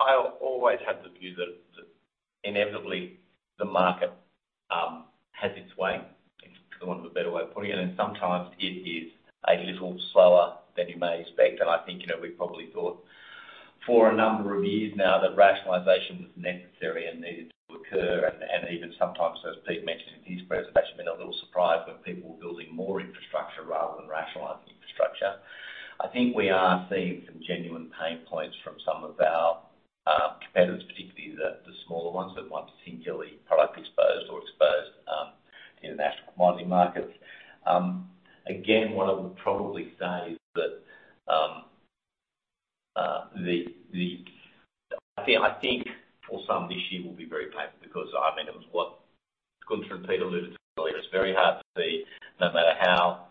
I always have the view that inevitably the market has its way, for want of a better way of putting it, and sometimes it is a little slower than you may expect. I think, you know, we probably thought for a number of years now that rationalization was necessary and needed to occur, and even sometimes, as Pete mentioned in his presentation, been a little surprised by people building more infrastructure rather than rationalizing infrastructure. I think we are seeing some genuine pain points from some of our competitors, particularly the, the smaller ones, the ones particularly product exposed or exposed to international commodity markets. Again, what I would probably say is that the, the I think, I think for some, this year will be very painful because, I mean, it was what Gunther and Peter alluded to earlier. It's very hard to see, no matter how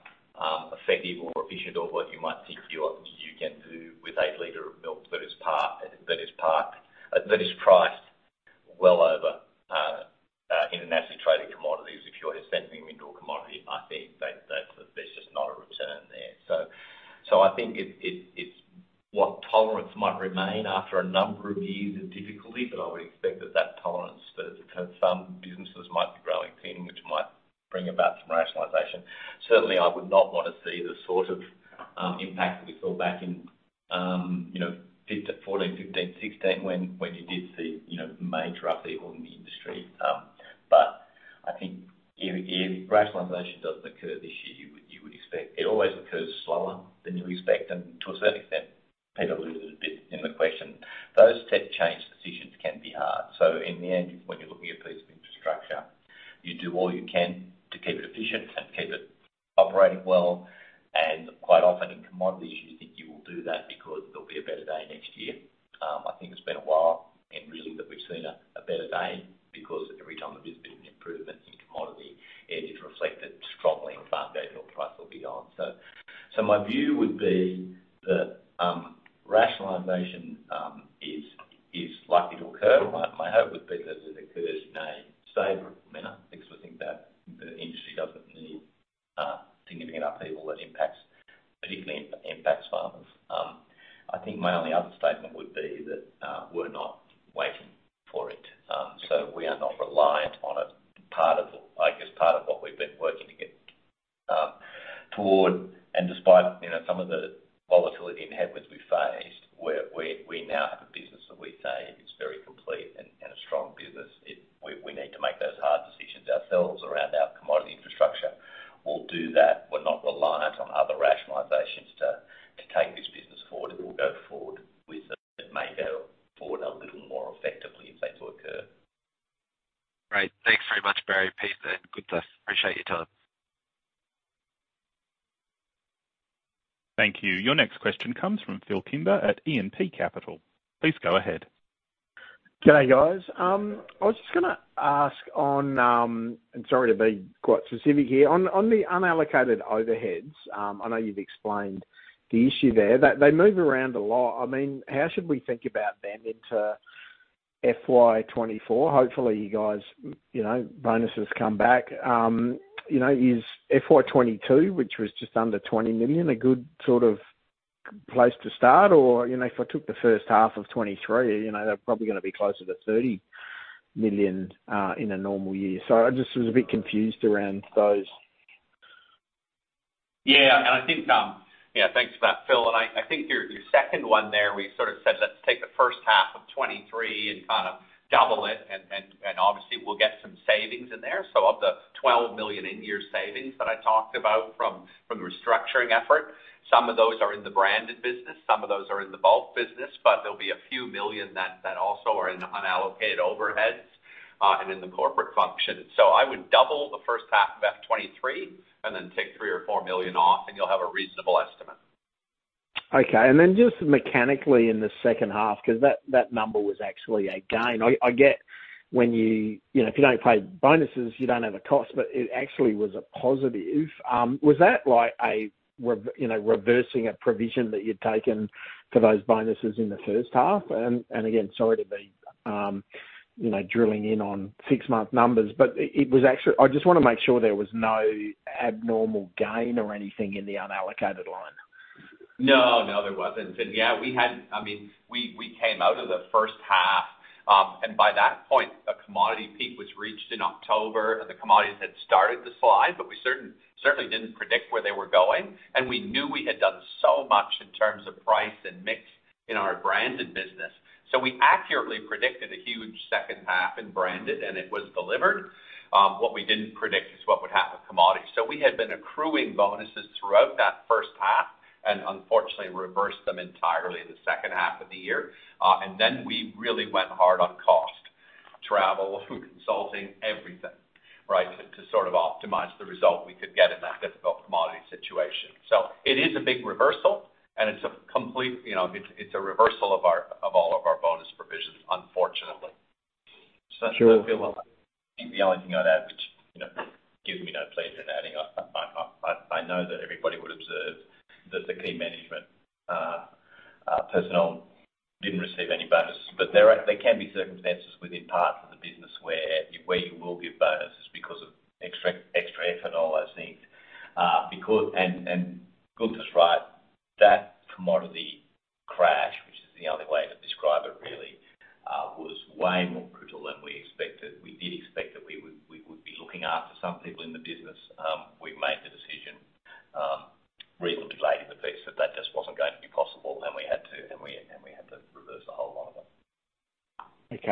effective or efficient or what you might think you can do with a liter of milk that is part, that is parked that is priced well over international trading commodities. If you're extending into a commodity, I think that, that there's just not a return there. I think it's what tolerance might remain after a number of years of difficulty, but I would expect that tolerance for some businesses might be growing thin, which might bring about some rationalization. Certainly, I would not want to see the sort of impact that we saw back in, you know, 2015, 2014, 2015, 2016, when you did see, you know, major upheaval in the industry. But I think if rationalization does occur this year, you would expect it always occurs slower than you expect. And to a certain extent, Peter alluded a bit in the question, those tech change decisions can be hard. So in the end, when you're looking at a piece of infrastructure, you do all you can to keep it efficient and keep it operating well. Quite often in commodity, you think you will do that because there'll be a better day next year. I think it's been a while, and really, that we've seen a better day because every time there has been an improvement in commodity, it is reflected strongly in farm gate milk price will be on. So my view would be that rationalization is likely to occur. My hope would be that it occurs in a safer manner because we think that the industry doesn't need significant upheaval that impacts, particularly, impacts farmers. I think my only other statement would be that we're not waiting for it. So we are not reliant on it. Part of, I guess, part of what we've been working to get toward, and despite, you know, some of the volatility and headwinds we faced, we now have a business that we say is very complete and a strong business. We need to make those hard decisions ourselves around our commodity infrastructure. We'll do that. We're not reliant on other rationalizations to take this business forward, and we'll go forward with them. It may go forward a little more effectively if they were to occur. Great. Thanks very much, Barry, Peter, and Gunther. Appreciate your time. Thank you. Your next question comes from Phil Kimber at E&P Capital. Please go ahead. G'day, guys. I was just gonna ask on, and sorry to be quite specific here. On, on the unallocated overheads, I know you've explained the issue there, that they move around a lot. I mean, how should we think about them into FY 2024? Hopefully, you guys, you know, bonuses come back. You know, is FY 2022, which was just under 20 million, a good sort of place to start? Or, you know, if I took the first half of 2023, you know, they're probably gonna be closer to 30 million in a normal year. So I just was a bit confused around those. Yeah. And I think, yeah, thanks for that, Phil. And I think your second one there, we sort of said, let's take the first half of 2023 and kind of double it, and obviously we'll get some savings in there. So of the 12 million in-year savings that I talked about from the restructuring effort, some of those are in the branded business, some of those are in the bulk business, but there'll be a few million that also are in unallocated overheads, and in the corporate function. So I would double the first half of FY 2023 and then take 3 or 4 million off, and you'll have a reasonable estimate. Okay. And then just mechanically in the second half, 'cause that number was actually a gain. I get when you. You know, if you don't pay bonuses, you don't have a cost, but it actually was a positive. Was that like a rev, you know, reversing a provision that you'd taken for those bonuses in the first half? And again, sorry to be, you know, drilling in on six-month numbers, but it was actually- I just want to make sure there was no abnormal gain or anything in the unallocated line. No, no, there wasn't. And yeah, we had, I mean, we, we came out of the first half, and by that point, a commodity peak was reached in October, and the commodities had started to slide, but we certainly didn't predict where they were going. And we knew we had done so much in terms of price and mix in our branded business. So we accurately predicted a huge second half in branded, and it was delivered. What we didn't predict is what would happen with commodities. So we had been accruing bonuses throughout that first half, and unfortunately reversed them entirely in the second half of the year. And then we really went hard on cost, travel, consulting, everything, right? To sort of optimize the result we could get in that difficult commodity situation. It is a big reversal, and it's a complete, you know, reversal of all of our bonus provisions, unfortunately. Sure. I feel well. I think the only thing I'd add, which, you know, gives me no pleasure in adding. I know that everybody would observe that the key management personnel didn't receive any bonuses, but there can be circumstances within parts of the business where you will give bonuses because of extra effort, all those things. Because and Gunther's right, that commodity crash, which is the only way to describe it, really, was way more brutal than we expected. We did expect that we would be looking after some people in the business. We made the decision reasonably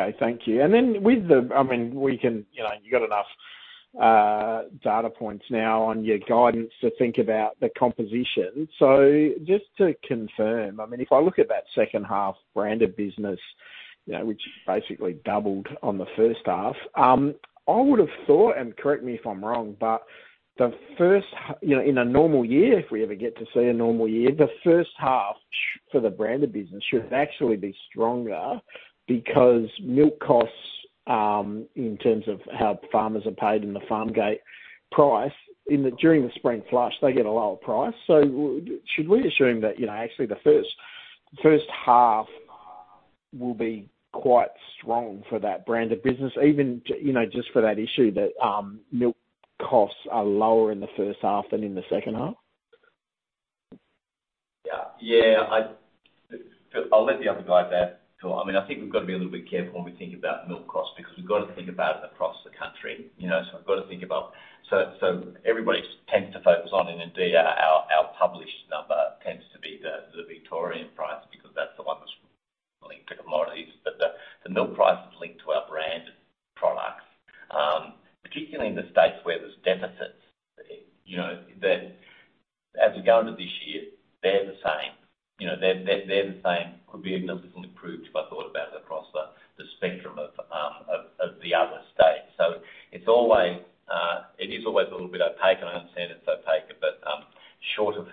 late in the piece that that just wasn't going to be possible. Okay, thank you. And then with the, I mean, we can, you know, you've got enough data points now on your guidance to think about the composition. So just to confirm, I mean, if I look at that second half branded business, you know, which basically doubled on the first half, I would have thought, and correct me if I'm wrong, but the first half, you know, in a normal year, if we ever get to see a normal year, the first half for the branded business should actually be stronger because milk costs, in terms of how farmers are paid in the farm gate price, during the Spring Flush, they get a lower price. Should we assume that, you know, actually, the first, first half will be quite strong for that branded business, even, you know, just for that issue, that milk costs are lower in the first half than in the second half? Yeah. Yeah, I'll let the other guys add to it. I mean, I think we've got to be a little bit careful when we think about milk costs, because we've got to think about it across the country, you know? So we've got to think about. So, so everybody tends to focus on, and indeed, our, our published number tends to be the, the Victorian price, because that's the one that's linked to commodities. But the, the milk price is linked to our branded products, particularly in the states where there's deficits, you know, that as we go into this year, they're the same. You know, they're, they're, they're the same, could be significantly improved if I thought about it across the, the spectrum of, of, of the other states. So it's always, it is always a little bit opaque, and I understand it's opaque, but, short of,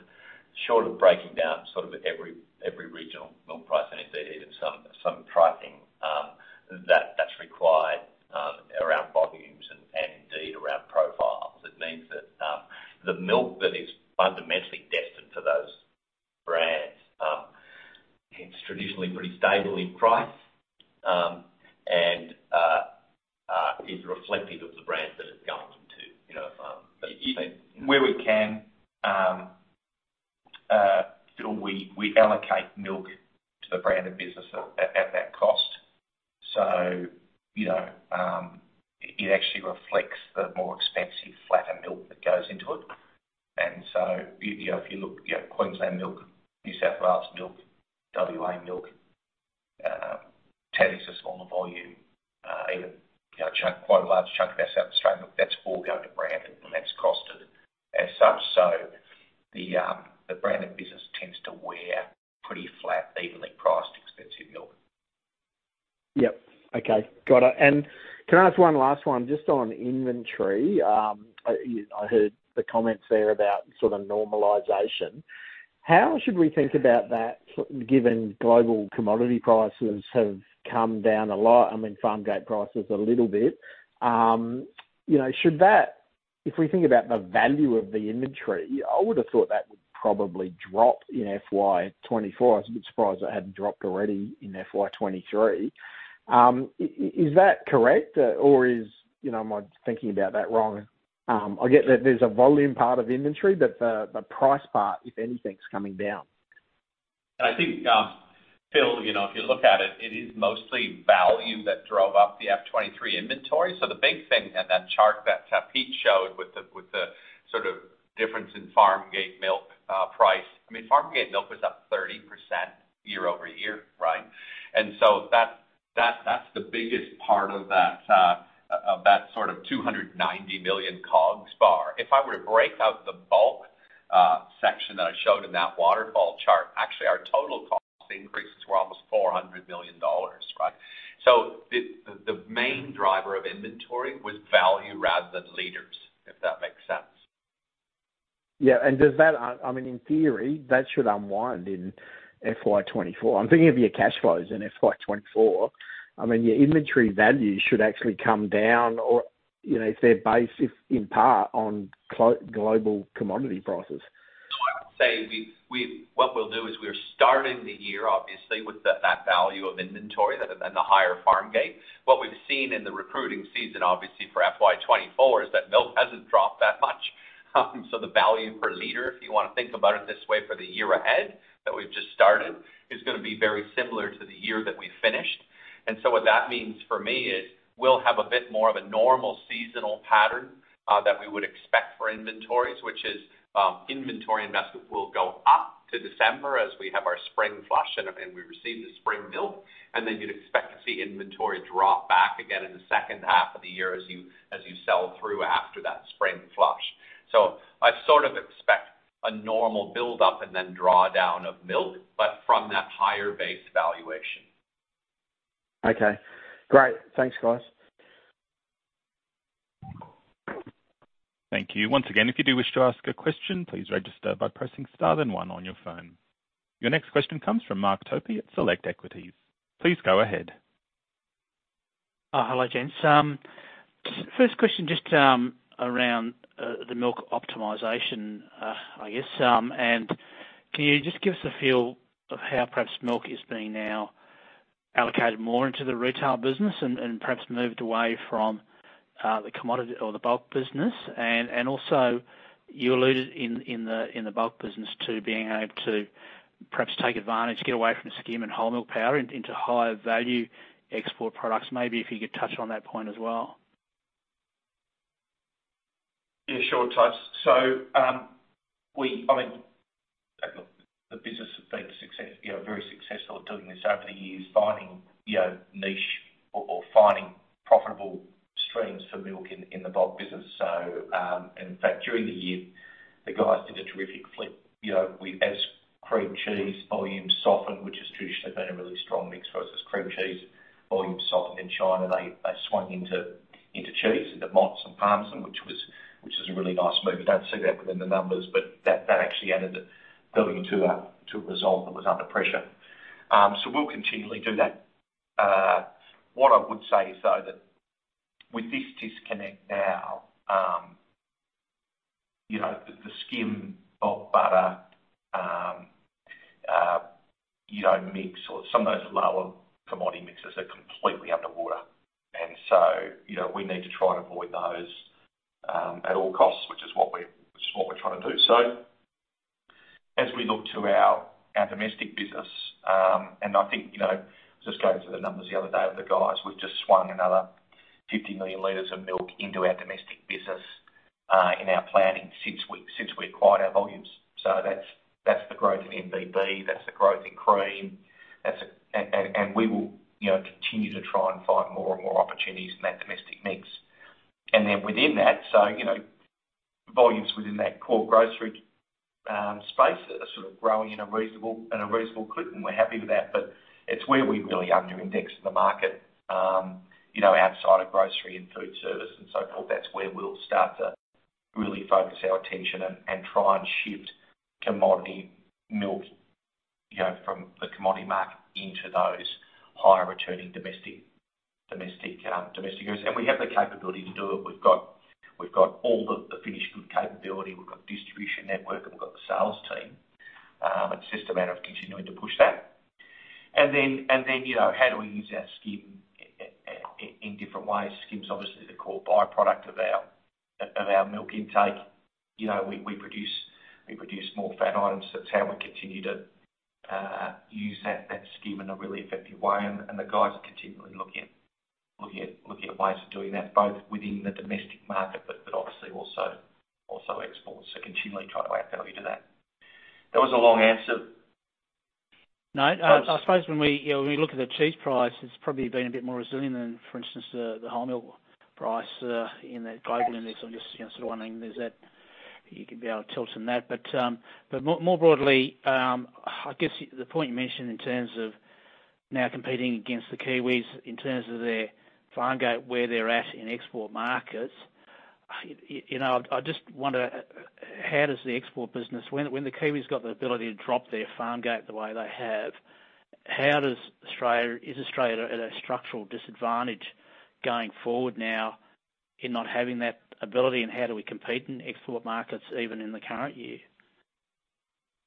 short of breaking down sort of every, every regional milk price, and indeed, some, some pricing, that, that's required, around volumes and, and indeed, around profiles, it means that, the milk that is fundamentally destined for those brands, it's traditionally pretty stable in price, and, is reflective of the brands that it's going to, you know, but where we can, Phil, we, we allocate milk to the branded business at, at, at that cost. So, you know, it actually reflects the more expensive, flatter milk that goes into it. And so, you know, if you look, you have Queensland Milk, New South Wales milk, WA milk, Tatura's a smaller volume, even, you know, chunk, quite a large chunk of that South Australian milk, that's all going to branded, and that's costed as such. So the, the branded business tends to bear pretty flat, evenly priced, expensive milk. Yep. Okay, got it. And can I ask one last one just on inventory? I heard the comments there about sort of normalization. How should we think about that, given global commodity prices have come down a lot, I mean, farm gate prices a little bit. You know, should that, if we think about the value of the inventory, I would have thought that would probably drop in FY 2024. I was a bit surprised it hadn't dropped already in FY 2023. Is that correct, or is. You know, am I thinking about that wrong? I get that there's a volume part of inventory, but the, the price part, if anything, is coming down. I think, Phil, you know, if you look at it, it is mostly value that drove up the FY 2023 inventory. So the big thing in that chart that [ete showed with the, with the sort of difference in farm gate milk price, I mean, farm gate milk was up 30% year-over-year, right? And so that, that's the biggest part of that, of that sort of 290 million COGS bar. If I were to break out the bulk section that I showed in that waterfall chart, actually, our total cost increases were almost 400 million dollars, right? So the main driver of inventory was value rather than liters, if that makes sense. Yeah. And does that, I mean, in theory, that should unwind in FY 2024. I'm thinking of your cash flows in FY 2024. I mean, your inventory values should actually come down or, you know, if they're based, if in part, on global commodity prices. So I would say we what we'll do is we're starting the year obviously with that value of inventory than the higher farm gate. What we've seen in the procurement season obviously for FY 2024 is that milk hasn't dropped that much. So the value per liter if you want to think about it this way for the year ahead that we've just started is gonna be very similar to the year that we finished. And so what that means for me is we'll have a bit more of a normal seasonal pattern that we would expect for inventories which is inventory investment will go up to December as we have our Spring Flush and we receive the spring milk. Then you'd expect to see inventory drop back again in the second half of the year as you sell through after that spring flush. So I sort of expect a normal build-up and then draw down of milk, but from that higher base valuation. Okay. Great. Thanks, guys. Thank you. Once again, if you do wish to ask a question, please register by pressing Star then one on your phone. Your next question comes from Mark Topy at Select Equities. Please go ahead. Hello, gents. First question, just around the milk optimization, I guess. Can you just give us a feel of how perhaps milk is being now allocated more into the retail business and perhaps moved away from the commodity or the bulk business? Also, you alluded in the bulk business to being able to perhaps take advantage, get away from skim and whole milk powder into higher value export products. Maybe if you could touch on that point as well. Yeah, sure, Topy. So, I mean, the business has been successful, you know, very successful at doing this over the years, finding, you know, niche or finding profitable streams for milk in the bulk business. So, and in fact, during the year, the guys did a terrific flip. You know, we, as cream cheese volumes softened, which has traditionally been a really strong mix for us, as cream cheese volumes softened in China, they swung into cheese, into mozz and parmesan, which is a really nice move. You don't see that within the numbers, but that actually added AUD 1 billion to a result that was under pressure. So we'll continually do that. What I would say is, though, that with this disconnect now, you know, the skim of butter, you know, mix or some of those lower commodity mixes are completely underwater. And so, you know, we need to try and avoid those, at all costs, which is what we're trying to do. So as we look to our domestic business, and I think, you know, just going through the numbers the other day with the guys, we've just swung another 50 million liters of milk into our domestic business, in our planning since we acquired our volumes. So that's the growth in NPD, that's the growth in cream. That's and we will, you know, continue to try and find more and more opportunities in that domestic mix. Then within that, so, you know, volumes within that core grocery space are sort of growing in a reasonable clip, and we're happy with that, but it's where we really under index the market, you know, outside of grocery and food service and so forth. That's where we'll start to really focus our attention and try and shift commodity milk, you know, from the commodity market into those higher returning domestic areas. And we have the capability to do it. We've got all the finished good capability, we've got the distribution network, and we've got the sales team. It's just a matter of continuing to push that. And then, you know, how do we use our skim in different ways? Skim is obviously the core by-product of our milk intake. You know, we produce more fat items. That's how we continue to use that skim in a really effective way, and the guys are continually looking at ways of doing that, both within the domestic market, but obviously also exports. So continually trying to add value to that. That was a long answer. No, I suppose when we, you know, when we look at the cheese price, it's probably been a bit more resilient than, for instance, the whole milk price in that global index. I'm just, you know, sort of wondering, there's that, you could be able to tilt in that. But, but more broadly, I guess the point you mentioned in terms of now competing against the Kiwis, in terms of their farm gate, where they're at in export markets, you know, I just wonder how does the export business. When the Kiwis got the ability to drop their farm gate the way they have, how does Australia- is Australia at a structural disadvantage going forward now in not having that ability? And how do we compete in export markets, even in the current year?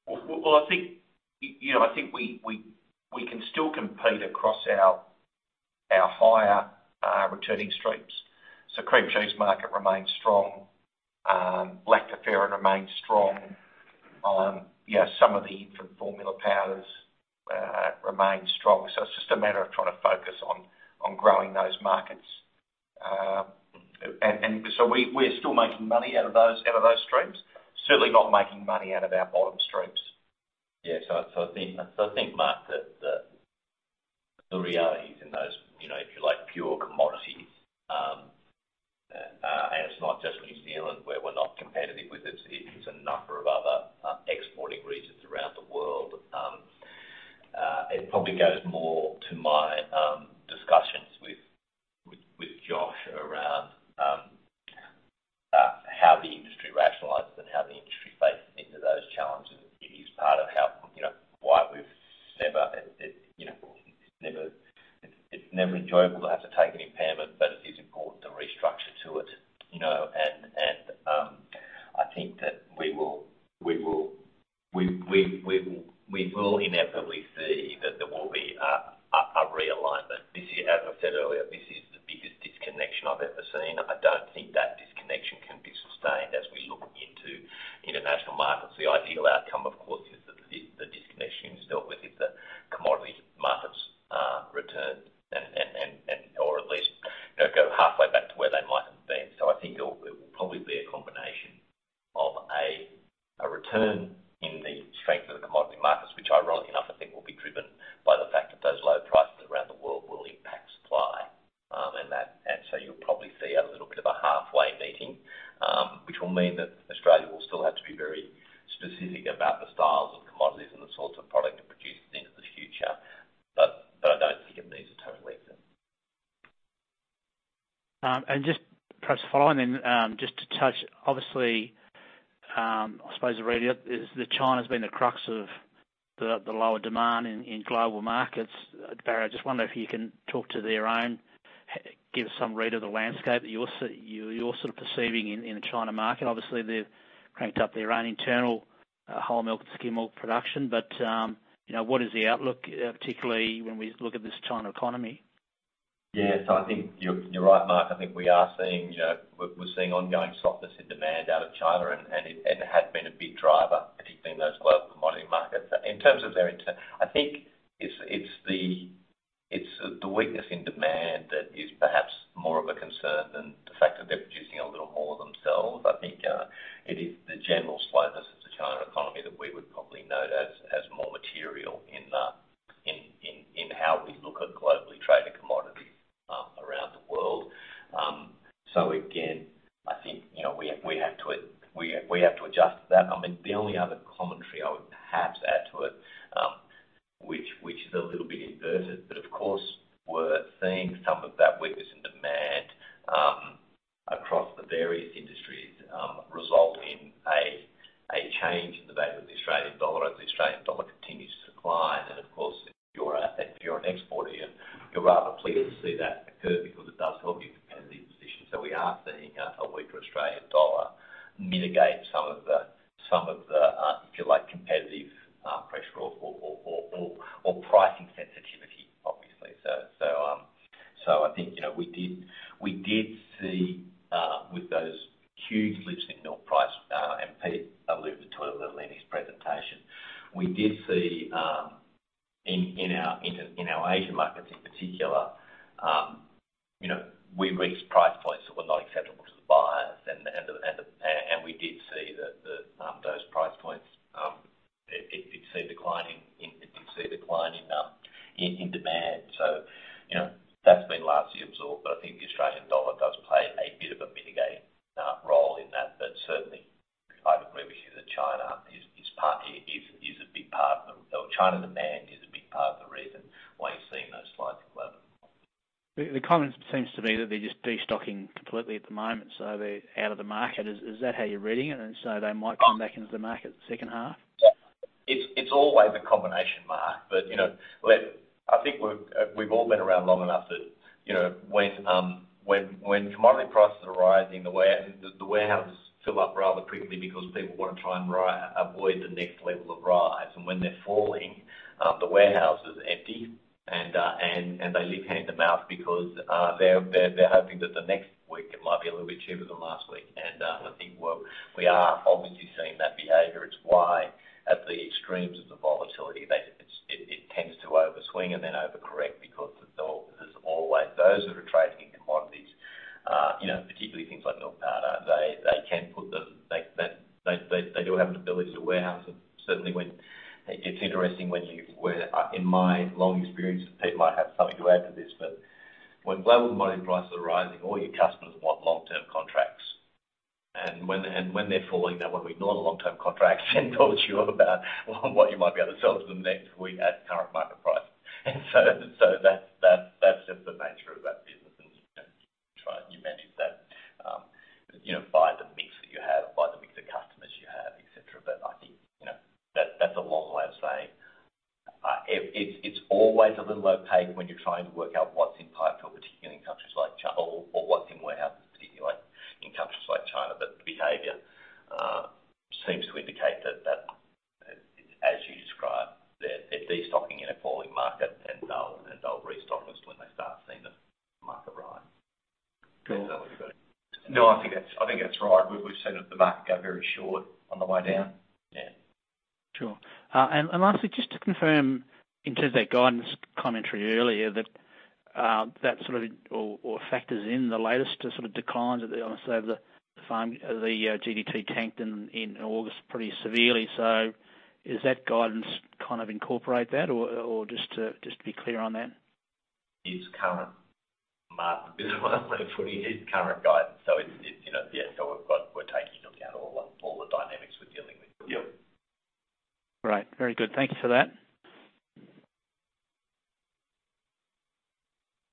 Well, I think, you know, I think we can still compete across our higher returning streams. So cream cheese market remains strong, lactoferrin remains strong, yeah, some of the infant formula powders remain strong, so it's just a matter of trying to focus on growing those markets. And so we're still making money out of those streams. Certainly not making money out of our bottom streams. Yeah, so I think, Mark, that the reality is in those, you know, if you like, pure commodities, and it's not just New Zealand, where we're not competitive with it, it's a number of other exporting regions around the world. It probably goes more to my discussions with Josh around how the industry rationalizes and how the industry faces into those challenges. It is part of how, you know, why we've never, it's never enjoyable to have to take an impairment, but it is important to restructure to it, you know, and I think that we will inevitably see that there will be a realignment. This year, as I've said earlier, this is the biggest disconnection I've ever seen. I don't think that disconnection can be sustained as we look into international markets. The ideal outcome, of it might be a little bit cheaper than last week. And I think we are obviously seeing that behavior. It's why at the extremes of the volatility, it tends to overswing and then overcorrect because there's always those that are trading in commodities, you know, particularly things like milk powder. They can put the, they do have an ability to warehouse it. Certainly, when. It's interesting, in my long experience, Pete might have something to add to this, but when global commodity prices are rising, all your customers want long-term contracts. And when they're falling, they want to ignore the long-term contracts and talk to you about what you might be able to sell to them next week at current market price. And so that's just the nature of that business, and you know, you try and you manage that, you know, by the mix that you have, by the mix of customers you have, et cetera. But I think, you know, that that's a long way of saying it's always a little opaque when you're trying to work out what's in pipeline for particular in countries like China or what's in warehouses, particularly like in countries like China. But the behavior seems to indicate that as you described, they're destocking in a falling market, and they'll restock us when they start seeing the market rise. Good. No, I think that's, I think that's right. We've, we've seen the market go very short on the way down. Yeah. Sure. And lastly, just to confirm in terms of that guidance commentary earlier, that that sort of or factors in the latest sort of declines of the, honestly, of the farm, the GDT tanked in August pretty severely. So does that guidance kind of incorporate that, or just to be clear on that? It's current, Mark. Putting its current guidance. So it's, you know, yeah, so we're taking into account all the dynamics we're dealing with. Yep. Right. Very good. Thank you for that.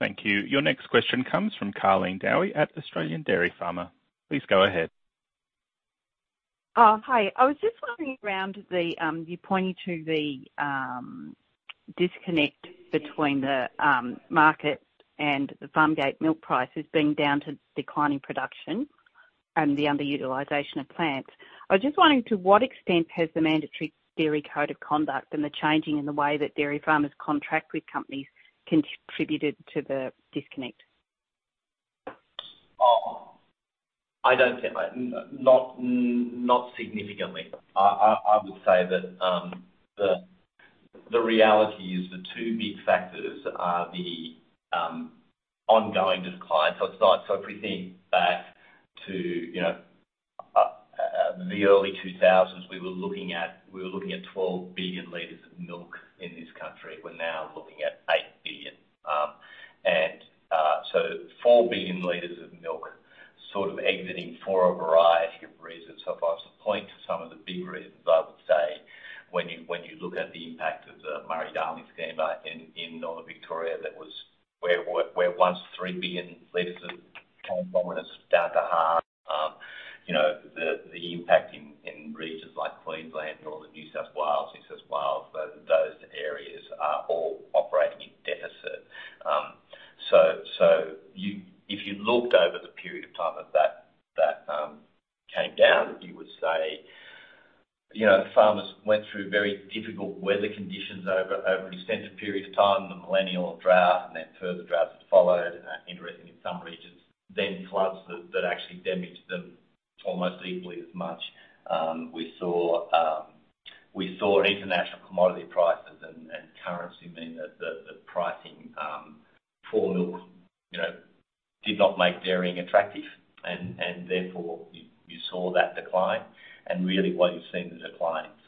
Thank you. Your next question comes from Carlene Dowie at Australian Dairy Farmer. Please go ahead. Hi. I was just wondering about the disconnect you pointed to between the market and the farm gate milk prices being down to declining production and the underutilization of plants. I was just wondering, to what extent has the mandatory Dairy Code of Conduct and the changing in the way that dairy farmers contract with companies contributed to the disconnect? Oh, I don't think, not, not significantly. I would say that the reality is the two big factors are the ongoing decline. So if we think back to, you know, the early 2000s, we were looking at 12 billion liters of milk in this country. We're now looking at 8 billion. And so 4 billion liters of milk sort of exiting for a variety of reasons. So if I was to point to some of the big reasons, I would say when you look at the impact of the Murray-Darling standby in Northern Victoria, that was where once 3 billion liters came down to half. You know, the impact in regions like Queensland or New South Wales, southeast, those areas are all operating in deficit. So, if you looked over the period of time that came down, you would say, you know, farmers went through very difficult weather conditions over an extended period of time, the Millennial Drought and then further droughts has followed, interesting in some regions, then floods that actually damaged them almost equally as much. We saw international commodity prices and currency mean that the pricing for milk, you know, did not make dairying attractive, and therefore, you saw that decline. Really, while you've seen the decline in supply, you've seen a decline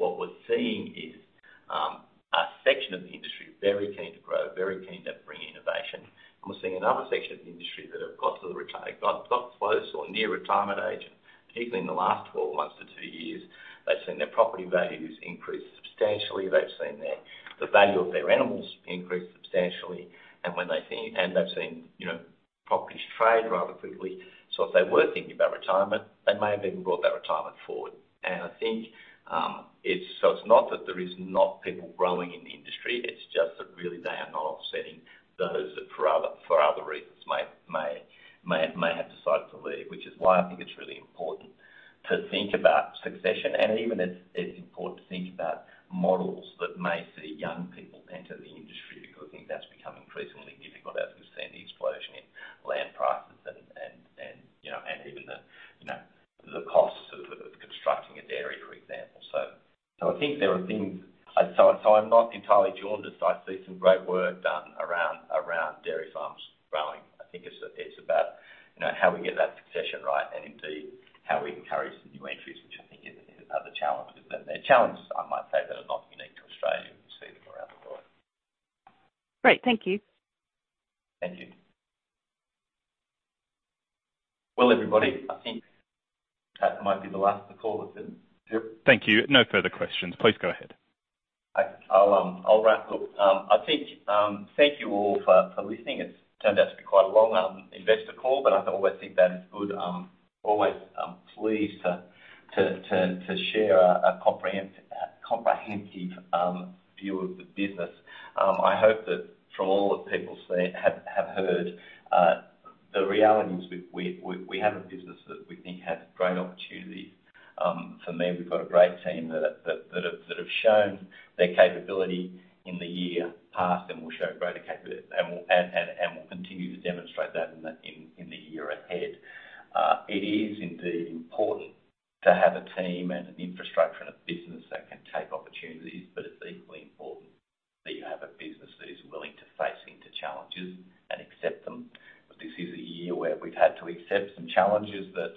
What we're seeing is a section of the industry very keen to grow, very keen to bring innovation. And we're seeing another section of the industry that have got to retire, got close or near retirement age, and particularly in the last 12 months to two years, they've seen their property values increase substantially. They've seen the value of their animals increase substantially, and when they see and they've seen, you know, properties trade rather quickly. So if they were thinking about retirement, they may have even brought that retirement forward. I think it's so it's not that there is not people growing in the industry, it's just that really they are not offsetting those that for other reasons may have decided to leave, which is why I think it's really important to think about succession. And even it's important to think about models that may see young people enter the industry, because I think that's become increasingly difficult as we've seen the explosion in land prices and you know and even the you know the costs of constructing a dairy, for example. So I think there are things. I'm not entirely jaundiced. I see some great work done around dairy farms growing. I think it's about, you know, how we get that succession right, and indeed, how we encourage the new entries, which I think is other challenges. And they're challenges, I might say, that are not unique to Australia. We see them around the world. Great. Thank you. Thank you. Well, everybody, I think that might be the last of the call, is it? Yep. Thank you. No further questions. Please go ahead. I'll wrap up. I think, thank you all for listening. It's turned out to be quite a long investor call, but I always think that is good. Always pleased to share a comprehensive view of the business. I hope that from all that people have heard, the realities with we have a business that we think has great opportunities. For me, we've got a great team that have shown their capability in the year past and will show greater capability, and will continue to demonstrate that in the year ahead. It is indeed important to have a team and an infrastructure and a business that can take opportunities, but it's equally important that you have a business that is willing to face into challenges and accept them. This is a year where we've had to accept some challenges that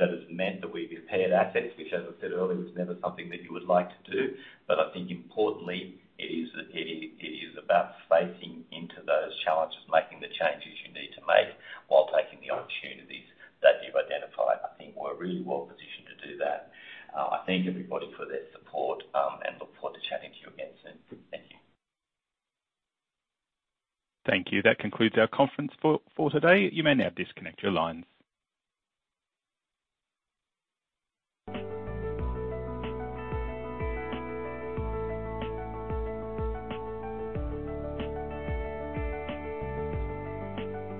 has meant that we've impaired assets, which, as I said earlier, is never something that you would like to do. But I think importantly, it is about facing into those challenges, making the changes you need to make while taking the opportunities that you've identified. I think we're really well positioned to do that. I thank everybody for their support, and look forward to chatting to you again soon. Thank you. Thank you. That concludes our conference call for today. You may now disconnect your lines.